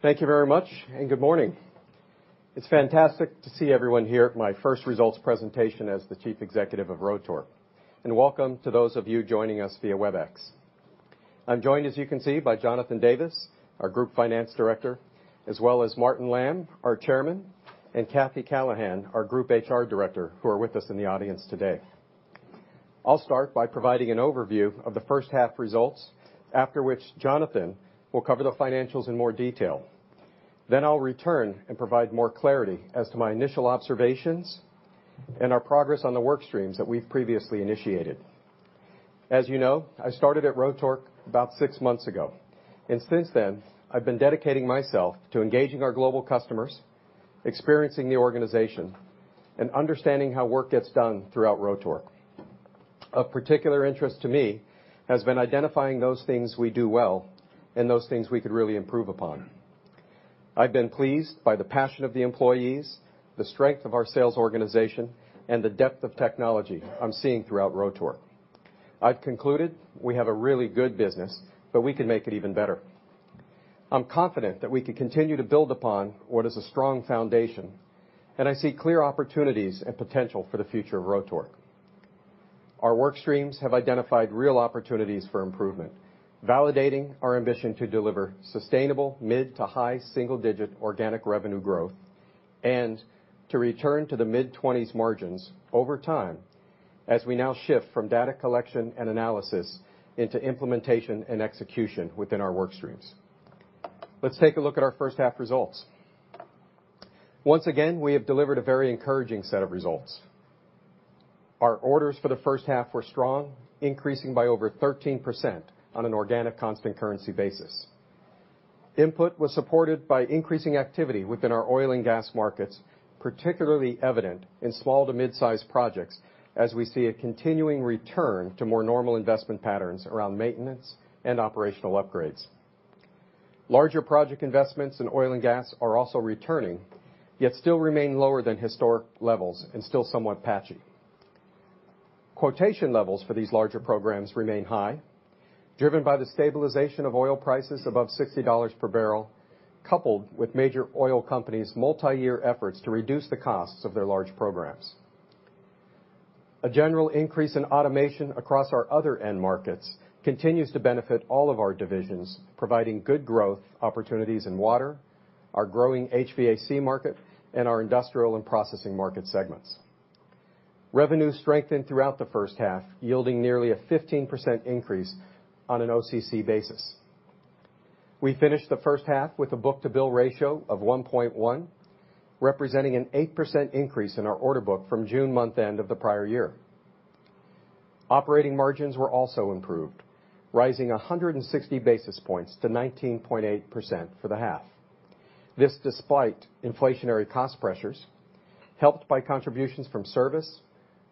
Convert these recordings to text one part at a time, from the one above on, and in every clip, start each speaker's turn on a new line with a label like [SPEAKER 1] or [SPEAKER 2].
[SPEAKER 1] Thank you very much. Good morning. It's fantastic to see everyone here at my first results presentation as the Chief Executive of Rotork. Welcome to those of you joining us via Webex. I'm joined, as you can see, by Jonathan Davis, our Group Finance Director, as well as Martin Lamb, our Chairman, and Kathy Callahan, our Group HR Director, who are with us in the audience today. I'll start by providing an overview of the first half results, after which Jonathan will cover the financials in more detail. I'll return and provide more clarity as to my initial observations and our progress on the work streams that we've previously initiated. As you know, I started at Rotork about six months ago. Since then, I've been dedicating myself to engaging our global customers, experiencing the organization, and understanding how work gets done throughout Rotork. Of particular interest to me has been identifying those things we do well and those things we could really improve upon. I've been pleased by the passion of the employees, the strength of our sales organization, and the depth of technology I'm seeing throughout Rotork. I've concluded we have a really good business. We can make it even better. I'm confident that we can continue to build upon what is a strong foundation. I see clear opportunities and potential for the future of Rotork. Our work streams have identified real opportunities for improvement, validating our ambition to deliver sustainable mid to high single-digit organic revenue growth and to return to the mid-20s margins over time, as we now shift from data collection and analysis into implementation and execution within our work streams. Let's take a look at our first half results. Once again, we have delivered a very encouraging set of results. Our orders for the first half were strong, increasing by over 13% on an organic constant currency basis. Input was supported by increasing activity within our oil and gas markets, particularly evident in small to mid-size projects as we see a continuing return to more normal investment patterns around maintenance and operational upgrades. Larger project investments in oil and gas are also returning, yet still remain lower than historic levels and still somewhat patchy. Quotation levels for these larger programs remain high, driven by the stabilization of oil prices above $60 per barrel, coupled with major oil companies' multi-year efforts to reduce the costs of their large programs. A general increase in automation across our other end markets continues to benefit all of our divisions, providing good growth opportunities in water, our growing HVAC market, and our industrial and processing market segments. Revenue strengthened throughout the first half, yielding nearly a 15% increase on an OCC basis. We finished the first half with a book-to-bill ratio of 1.1, representing an 8% increase in our order book from June month end of the prior year. Operating margins were also improved, rising 160 basis points to 19.8% for the half, despite inflationary cost pressures helped by contributions from service,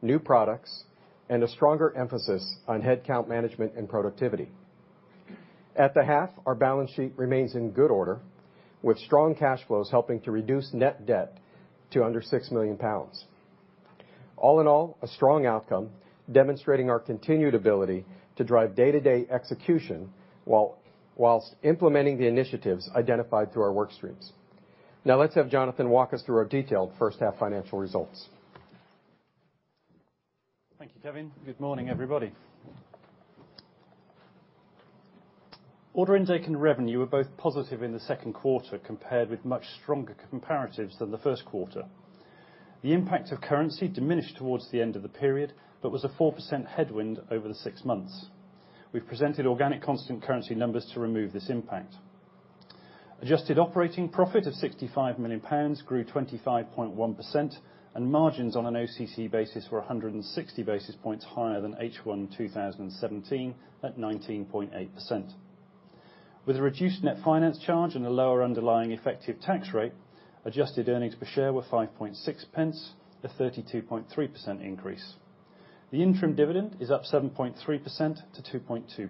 [SPEAKER 1] new products, and a stronger emphasis on headcount management and productivity. At the half, our balance sheet remains in good order with strong cash flows helping to reduce net debt to under 6 million pounds. All in all, a strong outcome demonstrating our continued ability to drive day-to-day execution while implementing the initiatives identified through our work streams. Let's have Jonathan walk us through our detailed first half financial results.
[SPEAKER 2] Thank you, Kevin. Good morning, everybody. Order intake and revenue were both positive in the second quarter compared with much stronger comparatives than the first quarter. The impact of currency diminished towards the end of the period, but was a 4% headwind over the six months. We've presented organic constant currency numbers to remove this impact. Adjusted operating profit of 65 million pounds grew 25.1%, and margins on an OCC basis were 160 basis points higher than H1 2017 at 19.8%. With a reduced net finance charge and a lower underlying effective tax rate, adjusted earnings per share were 0.056, a 32.3% increase. The interim dividend is up 7.3% to 0.022.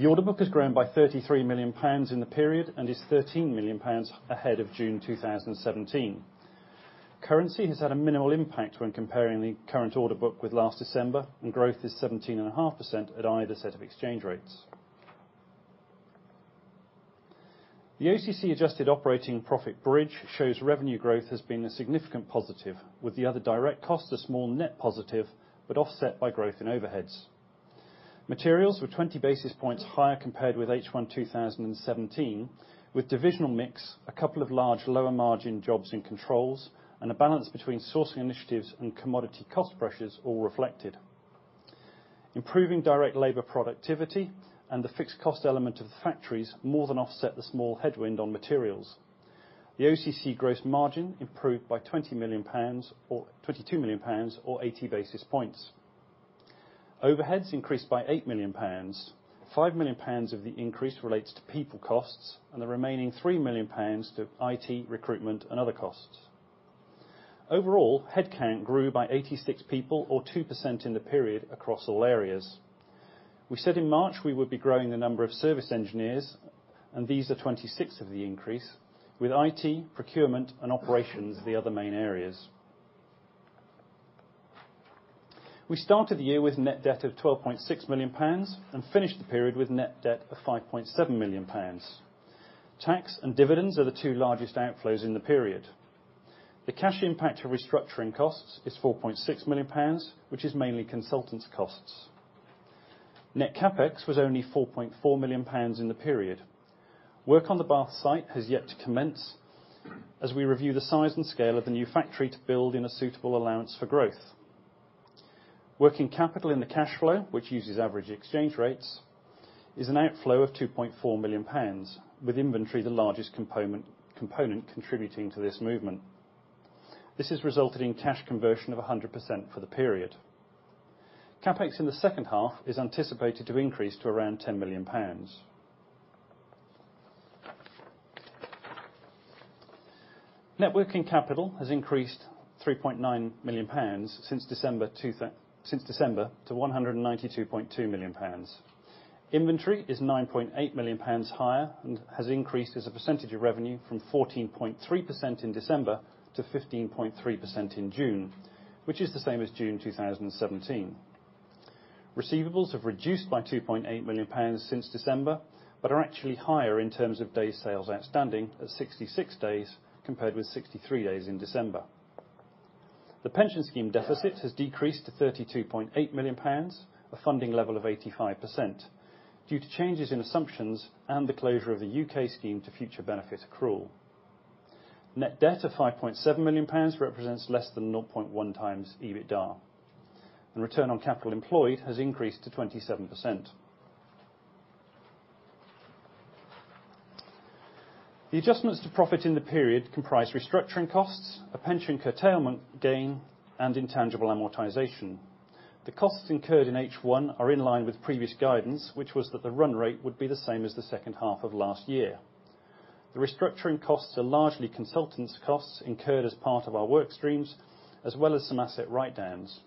[SPEAKER 2] The order book has grown by 33 million pounds in the period and is 13 million pounds ahead of June 2017. Currency has had a minimal impact when comparing the current order book with last December, and growth is 17.5% at either set of exchange rates. The OCC adjusted operating profit bridge shows revenue growth has been a significant positive with the other direct costs a small net positive, but offset by growth in overheads. Materials were 20 basis points higher compared with H1 2017 with divisional mix, a couple of large lower margin jobs and controls, and a balance between sourcing initiatives and commodity cost pressures all reflected. Improving direct labor productivity and the fixed cost element of the factories more than offset the small headwind on materials. The OCC gross margin improved by 22 million pounds or 80 basis points. Overheads increased by 8 million pounds, 5 million pounds of the increase relates to people costs and the remaining 3 million pounds to IT recruitment and other costs. Overall, headcount grew by 86 people or 2% in the period across all areas. We said in March we would be growing the number of service engineers, and these are 26 of the increase, with IT, procurement, and operations the other main areas. We started the year with net debt of 12.6 million pounds and finished the period with net debt of 5.7 million pounds. Tax and dividends are the two largest outflows in the period. The cash impact of restructuring costs is 4.6 million pounds, which is mainly consultants costs. Net CapEx was only 4.4 million pounds in the period. Work on the Bath site has yet to commence as we review the size and scale of the new factory to build in a suitable allowance for growth. Working capital in the cash flow, which uses average exchange rates, is an outflow of 2.4 million pounds with inventory the largest component contributing to this movement. This has resulted in cash conversion of 100% for the period. CapEx in the second half is anticipated to increase to around 10 million pounds. Net working capital has increased 3.9 million pounds since December to 192.2 million pounds. Inventory is 9.8 million pounds higher and has increased as a percentage of revenue from 14.3% in December to 15.3% in June, which is the same as June 2017. Receivables have reduced by 2.8 million pounds since December, but are actually higher in terms of days sales outstanding at 66 days compared with 63 days in December. The pension scheme deficit has decreased to 32.8 million pounds, a funding level of 85%, due to changes in assumptions and the closure of the U.K. scheme to future benefit accrual. Net debt of 5.7 million pounds represents less than 0.1 times EBITDA. The return on capital employed has increased to 27%. The adjustments to profit in the period comprise restructuring costs, a pension curtailment gain, and intangible amortization. The costs incurred in H1 are in line with previous guidance, which was that the run rate would be the same as the second half of last year. The restructuring costs are largely consultants costs incurred as part of our work streams, as well as some asset write-downs.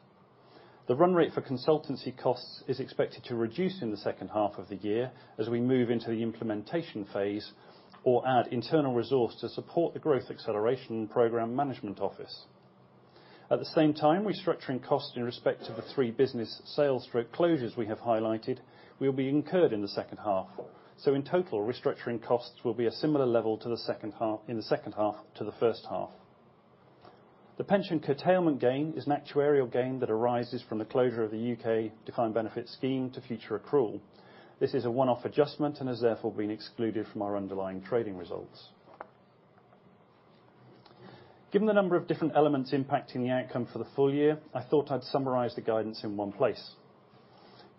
[SPEAKER 2] The run rate for consultancy costs is expected to reduce in the second half of the year as we move into the implementation phase or add internal resource to support the growth acceleration program management office. At the same time, restructuring costs in respect to the three business sales/closures we have highlighted will be incurred in the second half. In total, restructuring costs will be a similar level in the second half to the first half. The pension curtailment gain is an actuarial gain that arises from the closure of the U.K. defined benefit scheme to future accrual. This is a one-off adjustment and has therefore been excluded from our underlying trading results. Given the number of different elements impacting the outcome for the full year, I thought I'd summarize the guidance in one place.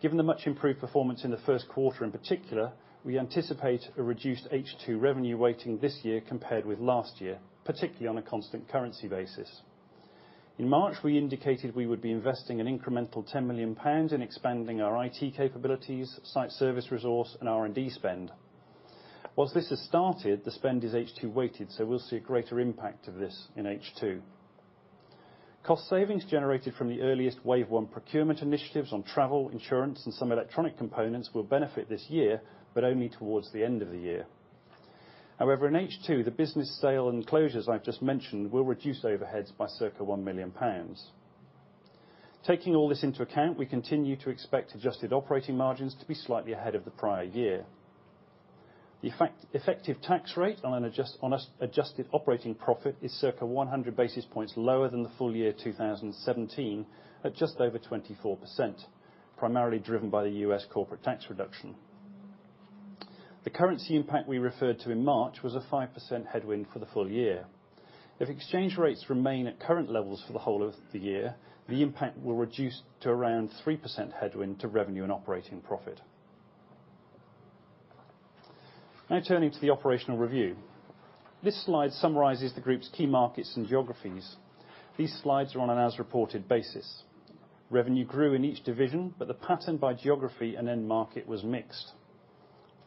[SPEAKER 2] Given the much improved performance in the first quarter in particular, we anticipate a reduced H2 revenue weighting this year compared with last year, particularly on a constant currency basis. In March, we indicated we would be investing an incremental 10 million pounds in expanding our IT capabilities, site service resource, and R&D spend. Whilst this has started, the spend is H2 weighted, we'll see a greater impact of this in H2. Cost savings generated from the earliest wave one procurement initiatives on travel, insurance, and some electronic components will benefit this year, but only towards the end of the year. However, in H2, the business sale and closures I've just mentioned will reduce overheads by circa 1 million pounds. Taking all this into account, we continue to expect adjusted operating margins to be slightly ahead of the prior year. The effective tax rate on adjusted operating profit is circa 100 basis points lower than the full year 2017 at just over 24%, primarily driven by the U.S. corporate tax reduction. The currency impact we referred to in March was a 5% headwind for the full year. If exchange rates remain at current levels for the whole of the year, the impact will reduce to around 3% headwind to revenue and operating profit. Turning to the operational review. This slide summarizes the group's key markets and geographies. These slides are on an as reported basis. Revenue grew in each division, but the pattern by geography and end market was mixed.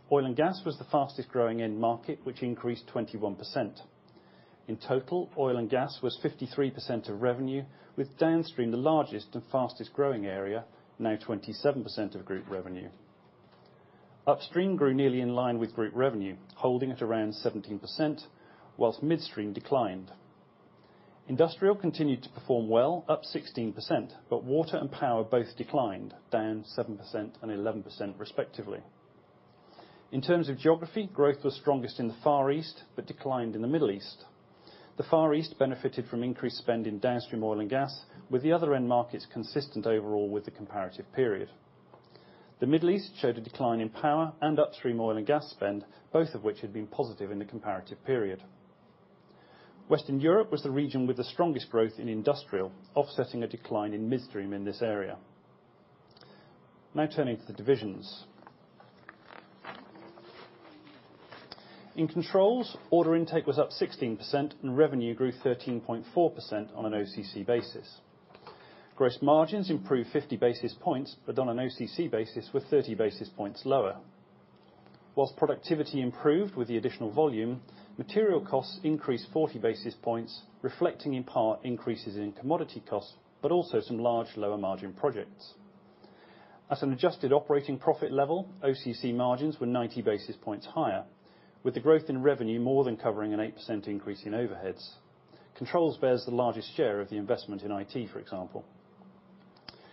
[SPEAKER 2] Oil and Gas was the fastest growing end market, which increased 21%. In total, Oil and Gas was 53% of revenue, with Downstream the largest and fastest growing area, now 27% of group revenue. Upstream grew nearly in line with group revenue, holding at around 17%, whilst Midstream declined. Industrial continued to perform well, up 16%, but Water and Power both declined, down 7% and 11% respectively. In terms of geography, growth was strongest in the Far East, but declined in the Middle East. The Far East benefited from increased spend in Downstream Oil and Gas, with the other end markets consistent overall with the comparative period. The Middle East showed a decline in Power and Upstream Oil and Gas spend, both of which had been positive in the comparative period. Western Europe was the region with the strongest growth in Industrial, offsetting a decline in Midstream in this area. Turning to the divisions. In Controls, order intake was up 16% and revenue grew 13.4% on an OCC basis. Gross margins improved 50 basis points, but on an OCC basis were 30 basis points lower. Whilst productivity improved with the additional volume, material costs increased 40 basis points, reflecting in part increases in commodity costs, but also some large lower margin projects. At an adjusted operating profit level, OCC margins were 90 basis points higher, with the growth in revenue more than covering an 8% increase in overheads. Controls bears the largest share of the investment in IT, for example.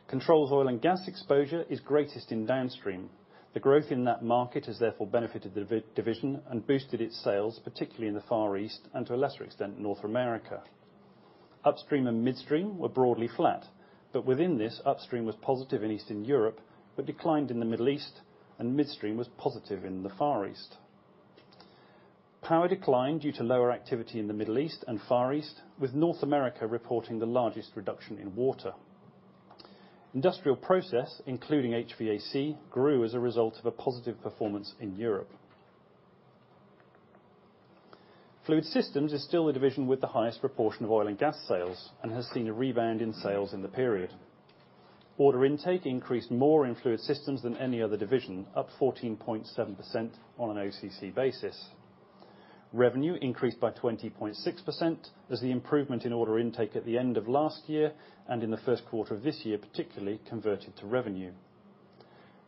[SPEAKER 2] Controls Oil and Gas exposure is greatest in Downstream. The growth in that market has therefore benefited the division and boosted its sales, particularly in the Far East, and to a lesser extent, North America. Upstream and Midstream were broadly flat. Within this, Upstream was positive in Eastern Europe, but declined in the Middle East, and Midstream was positive in the Far East. Power declined due to lower activity in the Middle East and Far East, with North America reporting the largest reduction in Water. Industrial Process, including HVAC, grew as a result of a positive performance in Europe. Fluid Systems is still the division with the highest proportion of Oil and Gas sales and has seen a rebound in sales in the period. Order intake increased more in Fluid Systems than any other division, up 14.7% on an OCC basis. Revenue increased by 20.6% as the improvement in order intake at the end of last year and in the first quarter of this year, particularly converted to revenue.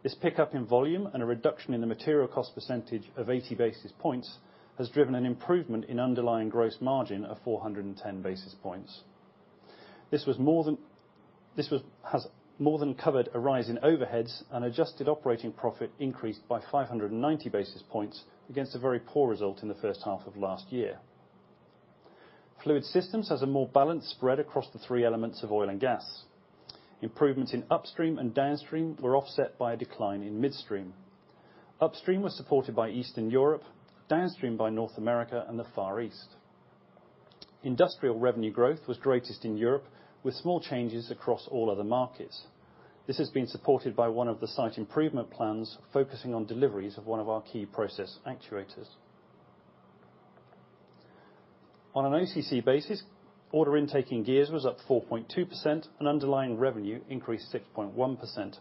[SPEAKER 2] This pickup in volume and a reduction in the material cost percentage of 80 basis points has driven an improvement in underlying gross margin of 410 basis points. This has more than covered a rise in overheads and adjusted operating profit increased by 590 basis points against a very poor result in the first half of last year. Fluid Systems has a more balanced spread across the three elements of Oil and Gas. Improvements in Upstream and Downstream were offset by a decline in Midstream. Upstream was supported by Eastern Europe, Downstream by North America and the Far East. Industrial revenue growth was greatest in Europe, with small changes across all other markets. This has been supported by one of the site improvement plans, focusing on deliveries of one of our key process actuators. On an OCC basis, order intake in gears was up 4.2% and underlying revenue increased 6.1%.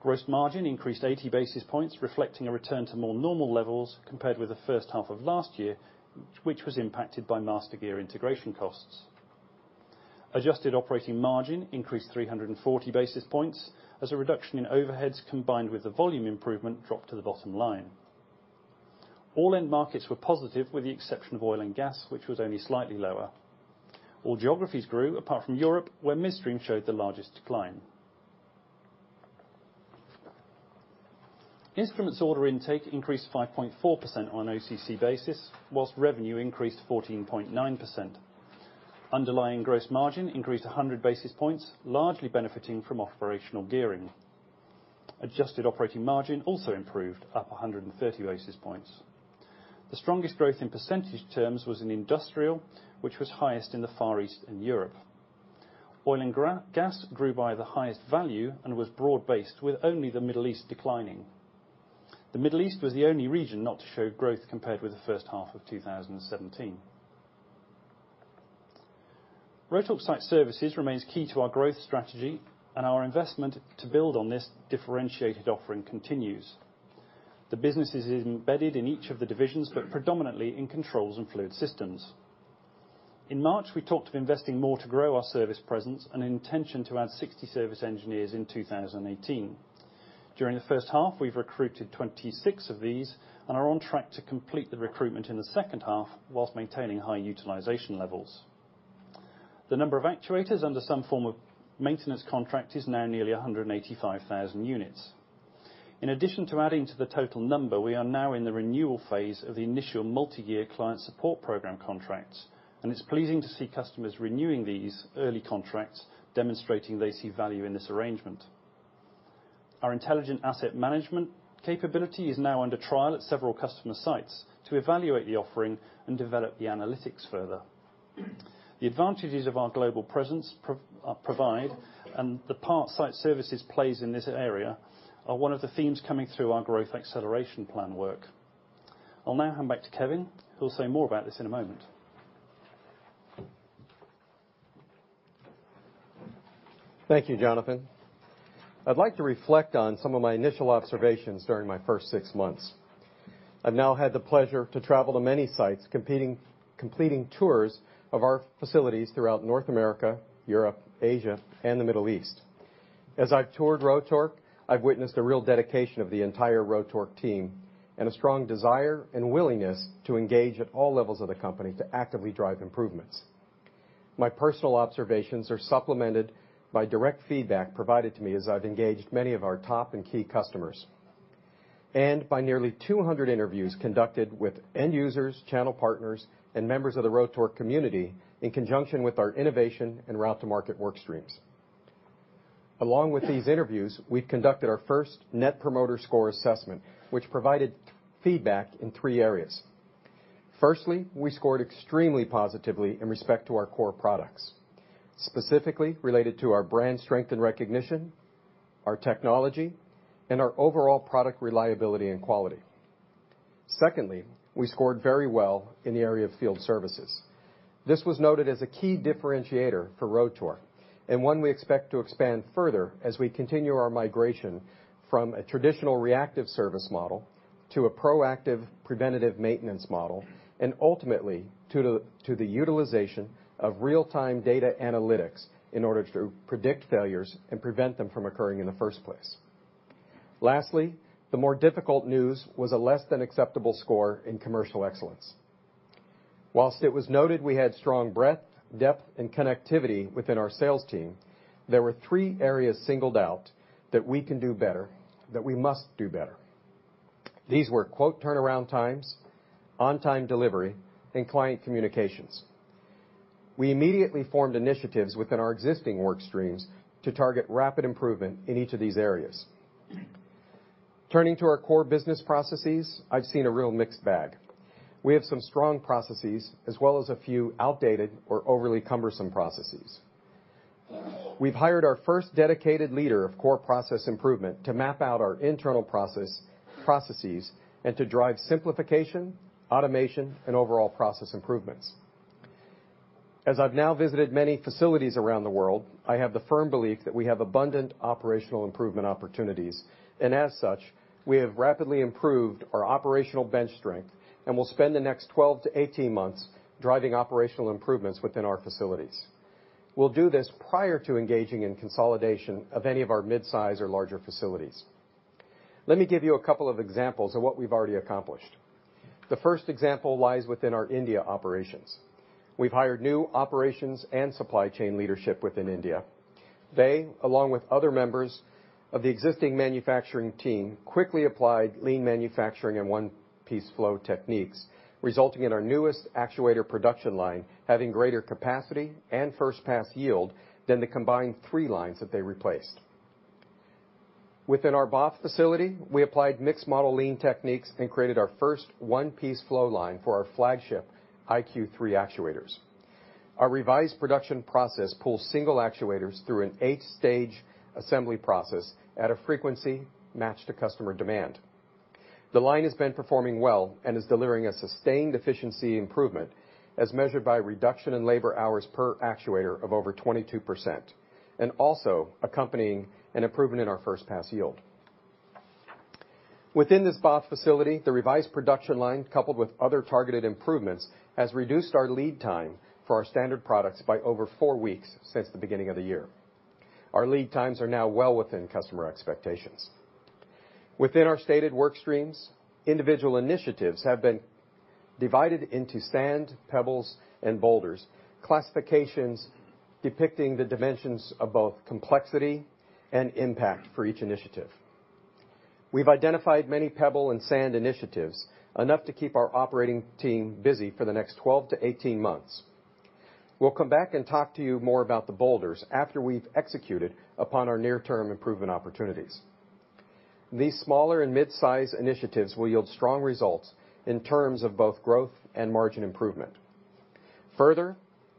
[SPEAKER 2] Gross margin increased 80 basis points, reflecting a return to more normal levels compared with the first half of last year, which was impacted by Mastergear integration costs. Adjusted operating margin increased 340 basis points as a reduction in overheads combined with the volume improvement dropped to the bottom line. All end markets were positive with the exception of oil and gas, which was only slightly lower. All geographies grew, apart from Europe, where midstream showed the largest decline. Instruments order intake increased 5.4% on an OCC basis, whilst revenue increased 14.9%. Underlying gross margin increased 100 basis points, largely benefiting from operational gearing. Adjusted operating margin also improved, up 130 basis points. The strongest growth in percentage terms was in industrial, which was highest in the Far East and Europe. Oil and gas grew by the highest value and was broad-based with only the Middle East declining. The Middle East was the only region not to show growth compared with the first half of 2017. Rotork Site Services remains key to our growth strategy, and our investment to build on this differentiated offering continues. The business is embedded in each of the divisions, but predominantly in controls and Fluid Systems. In March, we talked of investing more to grow our service presence and an intention to add 60 service engineers in 2018. During the first half, we've recruited 26 of these and are on track to complete the recruitment in the second half whilst maintaining high utilization levels. The number of actuators under some form of maintenance contract is now nearly 185,000 units. In addition to adding to the total number, we are now in the renewal phase of the initial multi-year Client Support Program contracts, and it's pleasing to see customers renewing these early contracts, demonstrating they see value in this arrangement. Our Intelligent Asset Management capability is now under trial at several customer sites to evaluate the offering and develop the analytics further. The advantages of our global presence provide and the part Site Services plays in this area are one of the themes coming through our growth acceleration plan work. I'll now hand back to Kevin, who'll say more about this in a moment.
[SPEAKER 1] Thank you, Jonathan. I'd like to reflect on some of my initial observations during my first six months. I've now had the pleasure to travel to many sites, completing tours of our facilities throughout North America, Europe, Asia, and the Middle East. As I've toured Rotork, I've witnessed a real dedication of the entire Rotork team and a strong desire and willingness to engage at all levels of the company to actively drive improvements. My personal observations are supplemented by direct feedback provided to me as I've engaged many of our top and key customers, and by nearly 200 interviews conducted with end users, channel partners, and members of the Rotork community in conjunction with our innovation and route to market work streams. Along with these interviews, we've conducted our first Net Promoter Score assessment, which provided feedback in three areas. Firstly, we scored extremely positively in respect to our core products, specifically related to our brand strength and recognition, our technology, and our overall product reliability and quality. Secondly, we scored very well in the area of field services. This was noted as a key differentiator for Rotork, and one we expect to expand further as we continue our migration from a traditional reactive service model to a proactive preventative maintenance model, and ultimately to the utilization of real-time data analytics in order to predict failures and prevent them from occurring in the first place. Lastly, the more difficult news was a less than acceptable score in commercial excellence. Whilst it was noted we had strong breadth, depth, and connectivity within our sales team, there were three areas singled out that we can do better, that we must do better. These were quote turnaround times, on-time delivery, and client communications. We immediately formed initiatives within our existing work streams to target rapid improvement in each of these areas. Turning to our core business processes, I've seen a real mixed bag. We have some strong processes, as well as a few outdated or overly cumbersome processes. We've hired our first dedicated leader of core process improvement to map out our internal processes and to drive simplification, automation, and overall process improvements. As I've now visited many facilities around the world, I have the firm belief that we have abundant operational improvement opportunities. As such, we have rapidly improved our operational bench strength and will spend the next 12 to 18 months driving operational improvements within our facilities. We'll do this prior to engaging in consolidation of any of our mid-size or larger facilities. Let me give you a couple of examples of what we've already accomplished. The first example lies within our India operations. We've hired new operations and supply chain leadership within India. They, along with other members of the existing manufacturing team, quickly applied lean manufacturing and one-piece flow techniques, resulting in our newest actuator production line having greater capacity and first pass yield than the combined three lines that they replaced. Within our Bath facility, we applied mixed model lean techniques and created our first one-piece flow line for our flagship IQ3 actuators. Our revised production process pulls single actuators through an 8-stage assembly process at a frequency matched to customer demand. The line has been performing well and is delivering a sustained efficiency improvement, as measured by reduction in labor hours per actuator of over 22%, and also accompanying an improvement in our first pass yield. Within this Bath facility, the revised production line, coupled with other targeted improvements, has reduced our lead time for our standard products by over four weeks since the beginning of the year. Our lead times are now well within customer expectations. Within our stated work streams, individual initiatives have been divided into sand, pebbles, and boulders, classifications depicting the dimensions of both complexity and impact for each initiative. We've identified many pebble and sand initiatives, enough to keep our operating team busy for the next 12 to 18 months. We'll come back and talk to you more about the boulders after we've executed upon our near-term improvement opportunities. These smaller and mid-size initiatives will yield strong results in terms of both growth and margin improvement.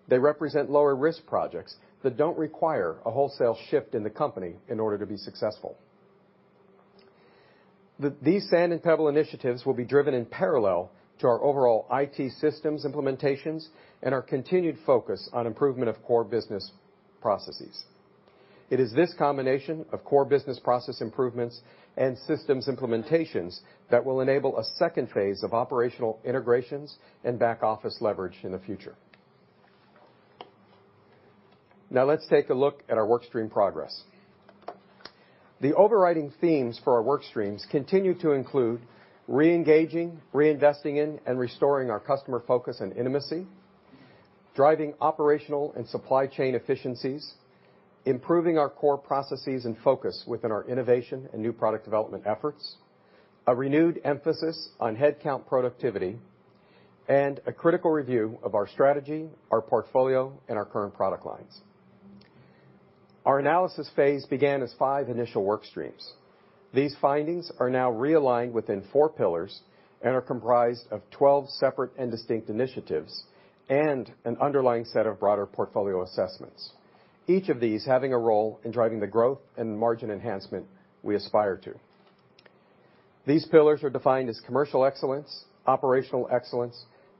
[SPEAKER 1] They represent lower risk projects that don't require a wholesale shift in the company in order to be successful. These sand and pebble initiatives will be driven in parallel to our overall IT systems implementations and our continued focus on improvement of core business processes. It is this combination of core business process improvements and systems implementations that will enable a second phase of operational integrations and back-office leverage in the future. Let's take a look at our work stream progress. The overriding themes for our work streams continue to include re-engaging, reinvesting in, and restoring our customer focus and intimacy, driving operational and supply chain efficiencies, improving our core processes and focus within our innovation and new product development efforts, a renewed emphasis on headcount productivity, and a critical review of our strategy, our portfolio, and our current product lines. Our analysis phase began as five initial work streams. These findings are now realigned within four pillars and are comprised of 12 separate and distinct initiatives and an underlying set of broader portfolio assessments. Each of these having a role in driving the growth and margin enhancement we aspire to. These pillars are defined as commercial excellence, operational excellence,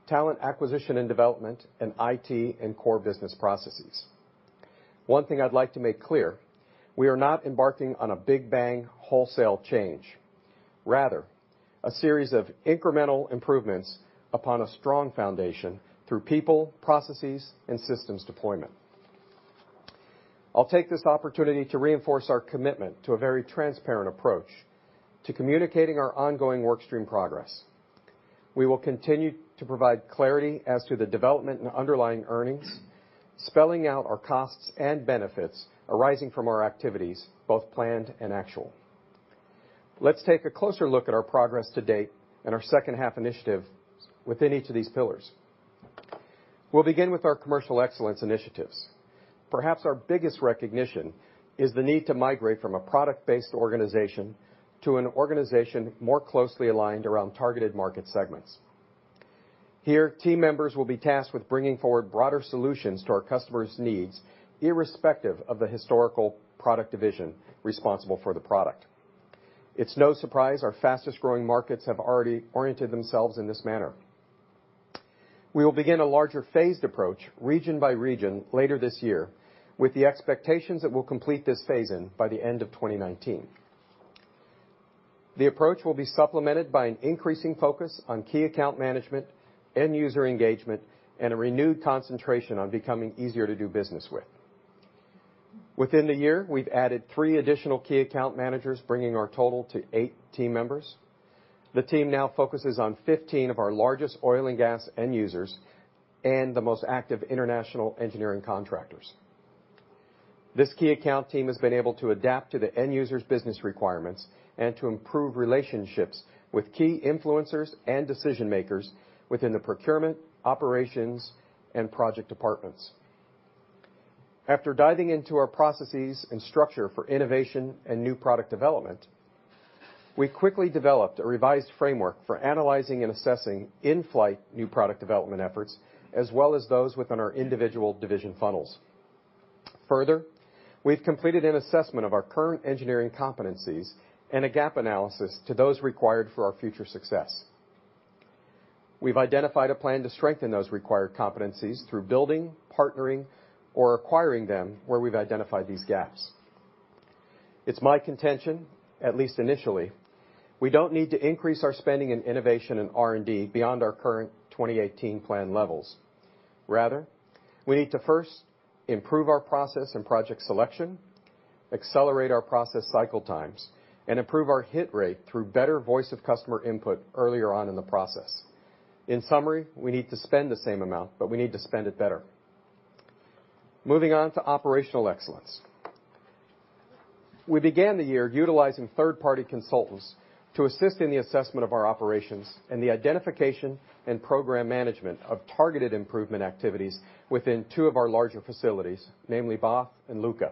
[SPEAKER 1] talent acquisition and development, and IT and core business processes. One thing I'd like to make clear, we are not embarking on a big bang, wholesale change. Rather, a series of incremental improvements upon a strong foundation through people, processes, and systems deployment. I'll take this opportunity to reinforce our commitment to a very transparent approach to communicating our ongoing work stream progress. We will continue to provide clarity as to the development and underlying earnings, spelling out our costs and benefits arising from our activities, both planned and actual. Let's take a closer look at our progress to date and our second half initiatives within each of these pillars. We'll begin with our commercial excellence initiatives. Perhaps our biggest recognition is the need to migrate from a product-based organization to an organization more closely aligned around targeted market segments. Here, team members will be tasked with bringing forward broader solutions to our customers' needs, irrespective of the historical product division responsible for the product. It's no surprise our fastest-growing markets have already oriented themselves in this manner. We will begin a larger phased approach region by region later this year with the expectations that we'll complete this phase in by the end of 2019. The approach will be supplemented by an increasing focus on key account management, end-user engagement, and a renewed concentration on becoming easier to do business with. Within the year, we've added three additional key account managers, bringing our total to eight team members. The team now focuses on 15 of our largest oil and gas end users and the most active international engineering contractors. This key account team has been able to adapt to the end user's business requirements and to improve relationships with key influencers and decision-makers within the procurement, operations, and project departments. After diving into our processes and structure for innovation and new product development, we quickly developed a revised framework for analyzing and assessing in-flight new product development efforts, as well as those within our individual division funnels. Further, we've completed an assessment of our current engineering competencies and a gap analysis to those required for our future success. We've identified a plan to strengthen those required competencies through building, partnering, or acquiring them where we've identified these gaps. It's my contention, at least initially, we don't need to increase our spending in innovation and R&D beyond our current 2018 plan levels. Rather, we need to first improve our process and project selection, accelerate our process cycle times, and improve our hit rate through better voice of customer input earlier on in the process. In summary, we need to spend the same amount, but we need to spend it better. Moving on to operational excellence. We began the year utilizing third-party consultants to assist in the assessment of our operations and the identification and program management of targeted improvement activities within two of our larger facilities, namely Bath and Lucca.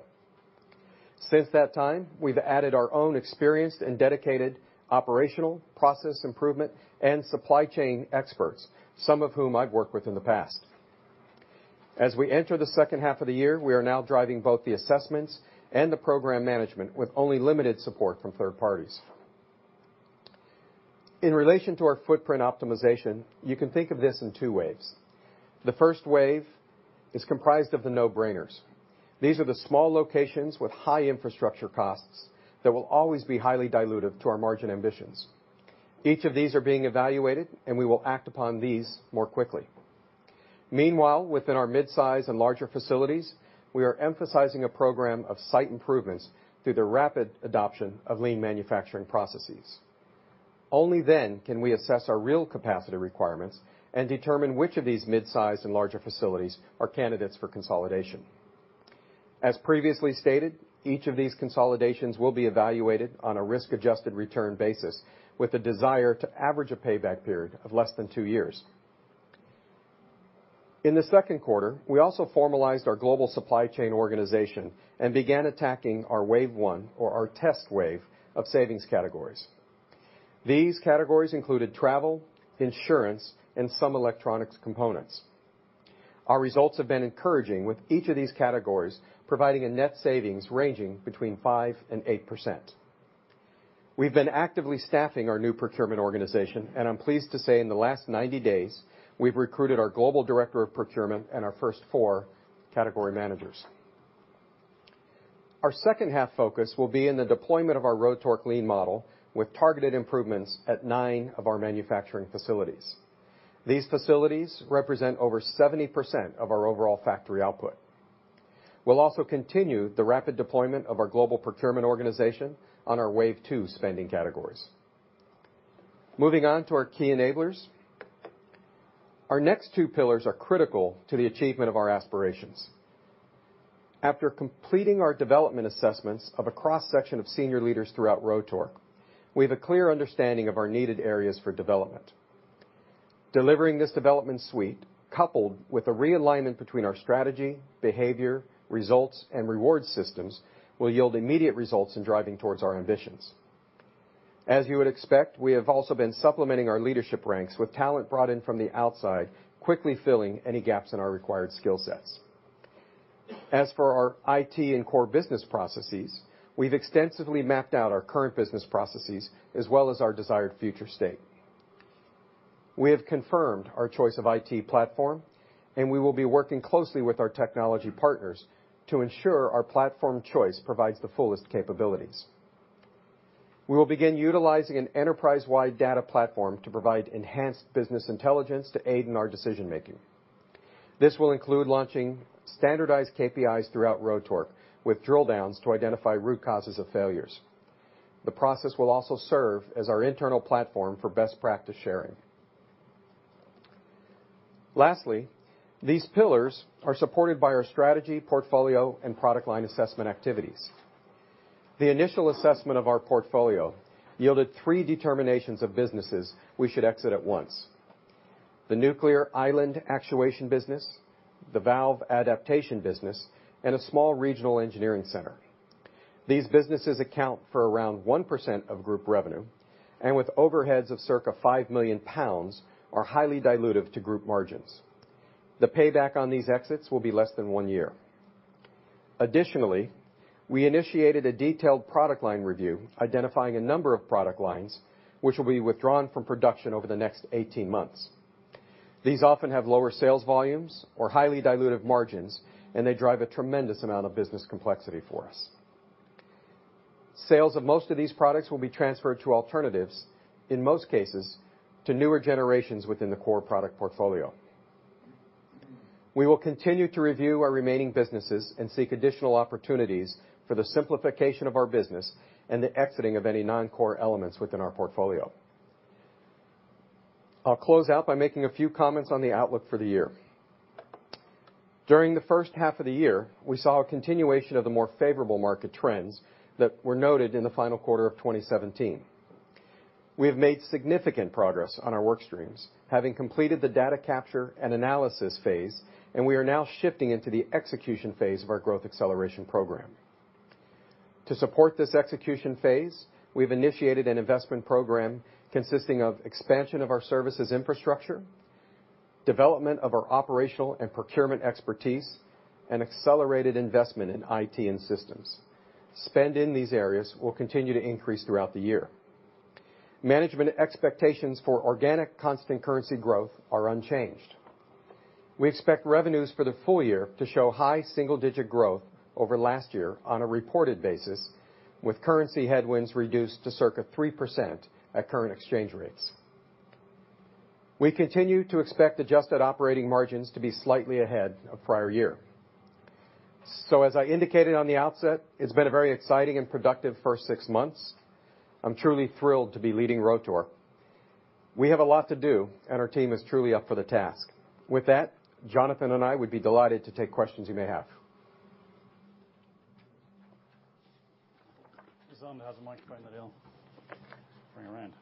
[SPEAKER 1] Since that time, we've added our own experienced and dedicated operational process improvement and supply chain experts, some of whom I've worked with in the past. As we enter the second half of the year, we are now driving both the assessments and the program management with only limited support from third parties. In relation to our footprint optimization, you can think of this in 2 waves. The first wave is comprised of the no-brainers. These are the small locations with high infrastructure costs that will always be highly dilutive to our margin ambitions. Each of these are being evaluated. We will act upon these more quickly. Meanwhile, within our mid-size and larger facilities, we are emphasizing a program of site improvements through the rapid adoption of lean manufacturing processes. Only then can we assess our real capacity requirements and determine which of these mid-size and larger facilities are candidates for consolidation. As previously stated, each of these consolidations will be evaluated on a risk-adjusted return basis with a desire to average a payback period of less than two years. In the second quarter, we also formalized our global supply chain organization and began attacking our wave 1 or our test wave of savings categories. These categories included travel, insurance, and some electronics components. Our results have been encouraging, with each of these categories providing a net savings ranging between 5%-8%. We've been actively staffing our new procurement organization, and I'm pleased to say in the last 90 days, we've recruited our global director of procurement and our first 4 category managers. Our second-half focus will be in the deployment of our Rotork lean model with targeted improvements at nine of our manufacturing facilities. These facilities represent over 70% of our overall factory output. We'll also continue the rapid deployment of our global procurement organization on our wave 2 spending categories. Moving on to our key enablers. Our next two pillars are critical to the achievement of our aspirations. After completing our development assessments of a cross-section of senior leaders throughout Rotork, we have a clear understanding of our needed areas for development. Delivering this development suite, coupled with a realignment between our strategy, behavior, results, and reward systems, will yield immediate results in driving towards our ambitions. As you would expect, we have also been supplementing our leadership ranks with talent brought in from the outside, quickly filling any gaps in our required skill sets. As for our IT and core business processes, we've extensively mapped out our current business processes as well as our desired future state. We have confirmed our choice of IT platform, and we will be working closely with our technology partners to ensure our platform choice provides the fullest capabilities. We will begin utilizing an enterprise-wide data platform to provide enhanced business intelligence to aid in our decision-making. This will include launching standardized KPIs throughout Rotork with drill-downs to identify root causes of failures. The process will also serve as our internal platform for best practice sharing. Lastly, these pillars are supported by our strategy, portfolio, and product line assessment activities. The initial assessment of our portfolio yielded three determinations of businesses we should exit at once: the nuclear island actuation business, the valve adaptation business, and a small regional engineering center. These businesses account for around 1% of group revenue, and with overheads of circa 5 million pounds, are highly dilutive to group margins. The payback on these exits will be less than one year. Additionally, we initiated a detailed product line review identifying a number of product lines, which will be withdrawn from production over the next 18 months. These often have lower sales volumes or highly dilutive margins, and they drive a tremendous amount of business complexity for us. Sales of most of these products will be transferred to alternatives, in most cases, to newer generations within the core product portfolio. We will continue to review our remaining businesses and seek additional opportunities for the simplification of our business and the exiting of any non-core elements within our portfolio. I'll close out by making a few comments on the outlook for the year. During the first half of the year, we saw a continuation of the more favorable market trends that were noted in the final quarter of 2017. We have made significant progress on our work streams, having completed the data capture and analysis phase, and we are now shifting into the execution phase of our growth acceleration program. To support this execution phase, we've initiated an investment program consisting of expansion of our services infrastructure, development of our operational and procurement expertise, and accelerated investment in IT and systems. Spend in these areas will continue to increase throughout the year. Management expectations for organic constant currency growth are unchanged. We expect revenues for the full year to show high single-digit growth over last year on a reported basis, with currency headwinds reduced to circa 3% at current exchange rates. We continue to expect adjusted operating margins to be slightly ahead of prior year. as I indicated on the outset, it's been a very exciting and productive first six months. I'm truly thrilled to be leading Rotork. We have a lot to do, and our team is truly up for the task. With that, Jonathan and I would be delighted to take questions you may have.
[SPEAKER 2] Zander has a microphone that he'll bring around.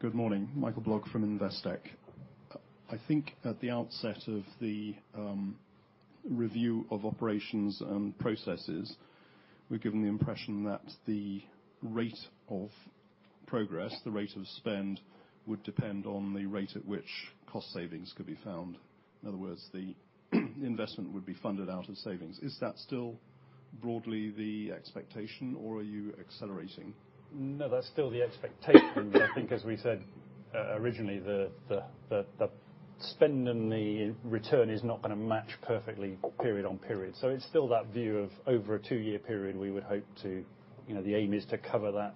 [SPEAKER 3] Good morning. Michael Sherlock from Investec. I think at the outset of the review of operations and processes, we're given the impression that the rate of progress, the rate of spend, would depend on the rate at which cost savings could be found. In other words, the investment would be funded out of savings. Is that still broadly the expectation, or are you accelerating?
[SPEAKER 2] That's still the expectation. I think, as we said originally, the spend and the return is not going to match perfectly period on period. It's still that view of over a two-year period, The aim is to cover that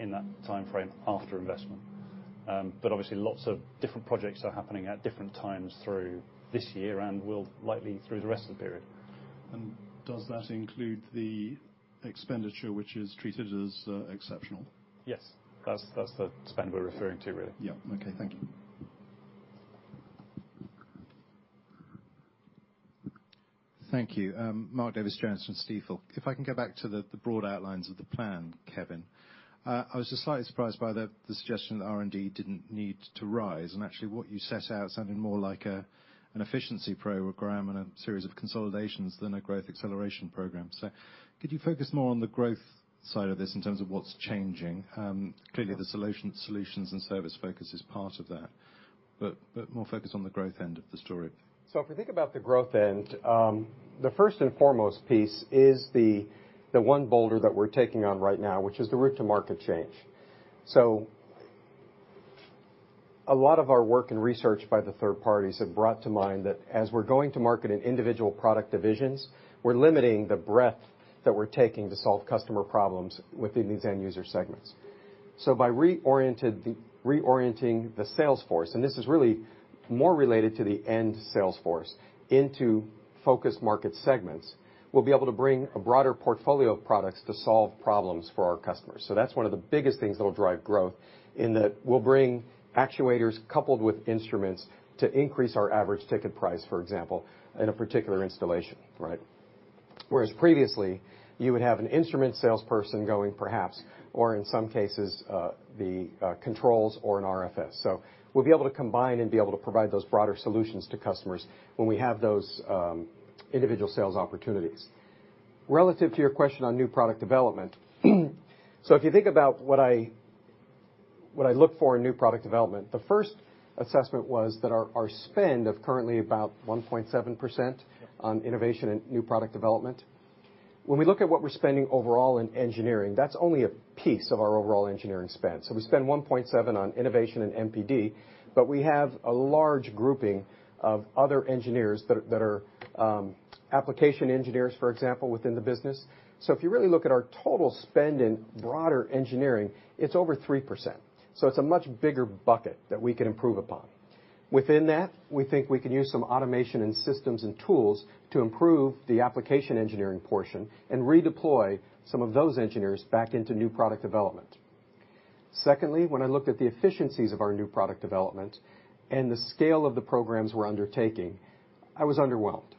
[SPEAKER 2] in that timeframe after investment. Obviously, lots of different projects are happening at different times through this year and will likely through the rest of the period.
[SPEAKER 3] Does that include the expenditure which is treated as exceptional?
[SPEAKER 2] Yes. That's the spend we're referring to, really.
[SPEAKER 3] Yeah. Okay. Thank you.
[SPEAKER 4] Thank you. Mark Davies [Jones] [inaudible] Stifel. If I can go back to the broad outlines of the plan, Kevin. I was just slightly surprised by the suggestion that R&D didn't need to rise, and actually, what you set out sounded more like an efficiency program and a series of consolidations than a growth acceleration program. Could you focus more on the growth side of this in terms of what's changing? Clearly, the solutions and service focus is part of that, but more focus on the growth end of the story.
[SPEAKER 1] If we think about the growth end, the first and foremost piece is the one boulder that we're taking on right now, which is the route to market change. A lot of our work and research by the third parties have brought to mind that as we're going to market in individual product divisions, we're limiting the breadth that we're taking to solve customer problems within these end-user segments. By reorienting the sales force, and this is really more related to the end sales force, into focused market segments, we'll be able to bring a broader portfolio of products to solve problems for our customers. That's one of the biggest things that'll drive growth in that we'll bring actuators coupled with instruments to increase our average ticket price, for example, in a particular installation, right? Whereas previously, you would have an instrument salesperson going perhaps, or in some cases, the controls or an RFS. We'll be able to combine and be able to provide those broader solutions to customers when we have those individual sales opportunities. Relative to your question on new product development, if you think about what I look for in new product development, the first assessment was that our spend of currently about 1.7% on innovation and new product development. When we look at what we're spending overall in engineering, that's only a piece of our overall engineering spend. We spend 1.7% on innovation and NPD, but we have a large grouping of other engineers that are application engineers, for example, within the business. If you really look at our total spend in broader engineering, it's over 3%. It's a much bigger bucket that we can improve upon. Within that, we think we can use some automation in systems and tools to improve the application engineering portion and redeploy some of those engineers back into new product development. Secondly, when I looked at the efficiencies of our new product development and the scale of the programs we're undertaking, I was underwhelmed.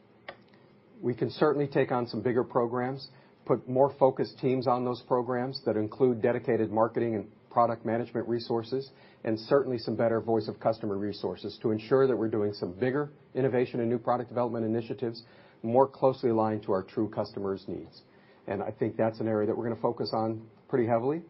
[SPEAKER 1] We can certainly take on some bigger programs, put more focused teams on those programs that include dedicated marketing and product management resources, and certainly some better voice of customer resources to ensure that we're doing some bigger innovation and new product development initiatives more closely aligned to our true customers' needs. I think that's an area that we're going to focus on pretty heavily.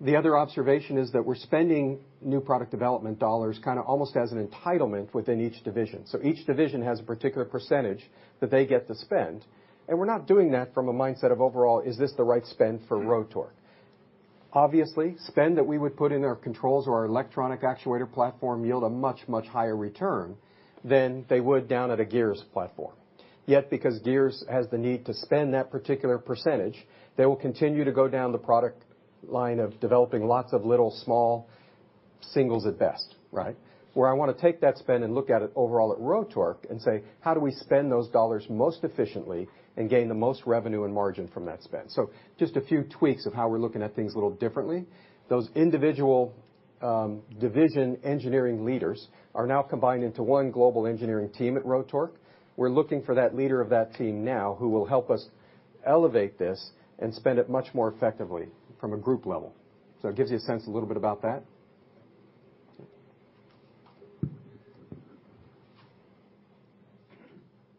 [SPEAKER 1] The other observation is that we're spending new product development GBP almost as an entitlement within each division. Each division has a particular percentage that they get to spend, and we're not doing that from a mindset of overall, is this the right spend for Rotork? Obviously, spend that we would put in our controls or our electronic actuator platform yield a much, much higher return than they would down at a gears platform. Yet, because gears has the need to spend that particular percentage, they will continue to go down the product line of developing lots of little small singles at best. Where I want to take that spend and look at it overall at Rotork and say: How do we spend those GBP most efficiently and gain the most revenue and margin from that spend? Just a few tweaks of how we're looking at things a little differently. Those individual division engineering leaders are now combined into one global engineering team at Rotork. We're looking for that leader of that team now who will help us elevate this and spend it much more effectively from a group level. It gives you a sense a little bit about that.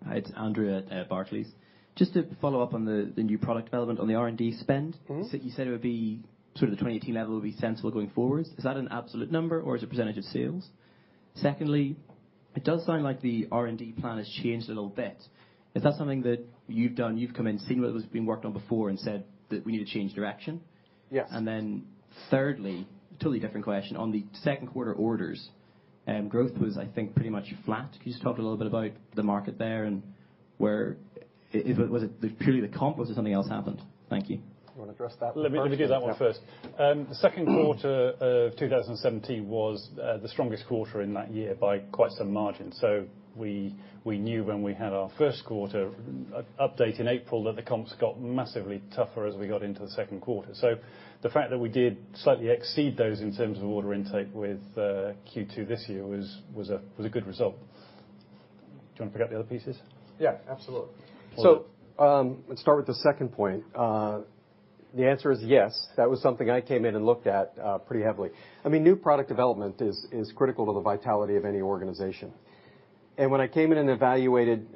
[SPEAKER 5] Hi, it's Andrew at Barclays. Just to follow up on the new product development on the R&D spend. You said it would be sort of the 2018 level would be sensible going forward. Is that an absolute number or is it percentage of sales? Secondly, it does sound like the R&D plan has changed a little bit. Is that something that you've done, you've come in, seen what was being worked on before and said that we need to change direction?
[SPEAKER 1] Yes.
[SPEAKER 5] Thirdly, totally different question. On the second quarter orders, growth was, I think, pretty much flat. Could you just talk a little bit about the market there and was it purely the comp or something else happened? Thank you.
[SPEAKER 1] You want to address that?
[SPEAKER 2] Let me do that one first. Second quarter of 2017 was the strongest quarter in that year by quite some margin. We knew when we had our first quarter update in April that the comps got massively tougher as we got into the second quarter. The fact that we did slightly exceed those in terms of order intake with Q2 this year was a good result. Do you want to pick up the other pieces?
[SPEAKER 1] Yeah, absolutely. Let's start with the second point. The answer is yes, that was something I came in and looked at pretty heavily. New Product Development is critical to the vitality of any organization. When I came in and evaluated,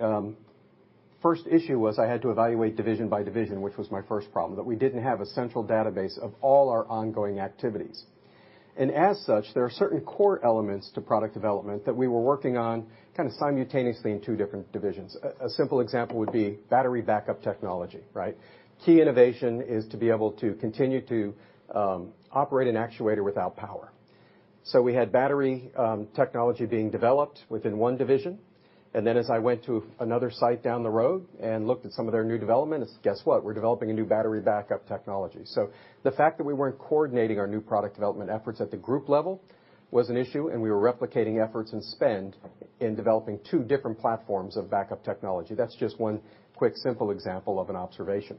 [SPEAKER 1] first issue was I had to evaluate division by division, which was my first problem, that we didn't have a central database of all our ongoing activities. As such, there are certain core elements to product development that we were working on kind of simultaneously in two different divisions. A simple example would be battery backup technology. Key innovation is to be able to continue to operate an actuator without power. We had battery technology being developed within one division, and then as I went to another site down the road and looked at some of their new developments, guess what? We're developing a new battery backup technology. The fact that we weren't coordinating our New Product Development efforts at the group level was an issue, and we were replicating efforts and spend in developing two different platforms of backup technology. That's just one quick, simple example of an observation.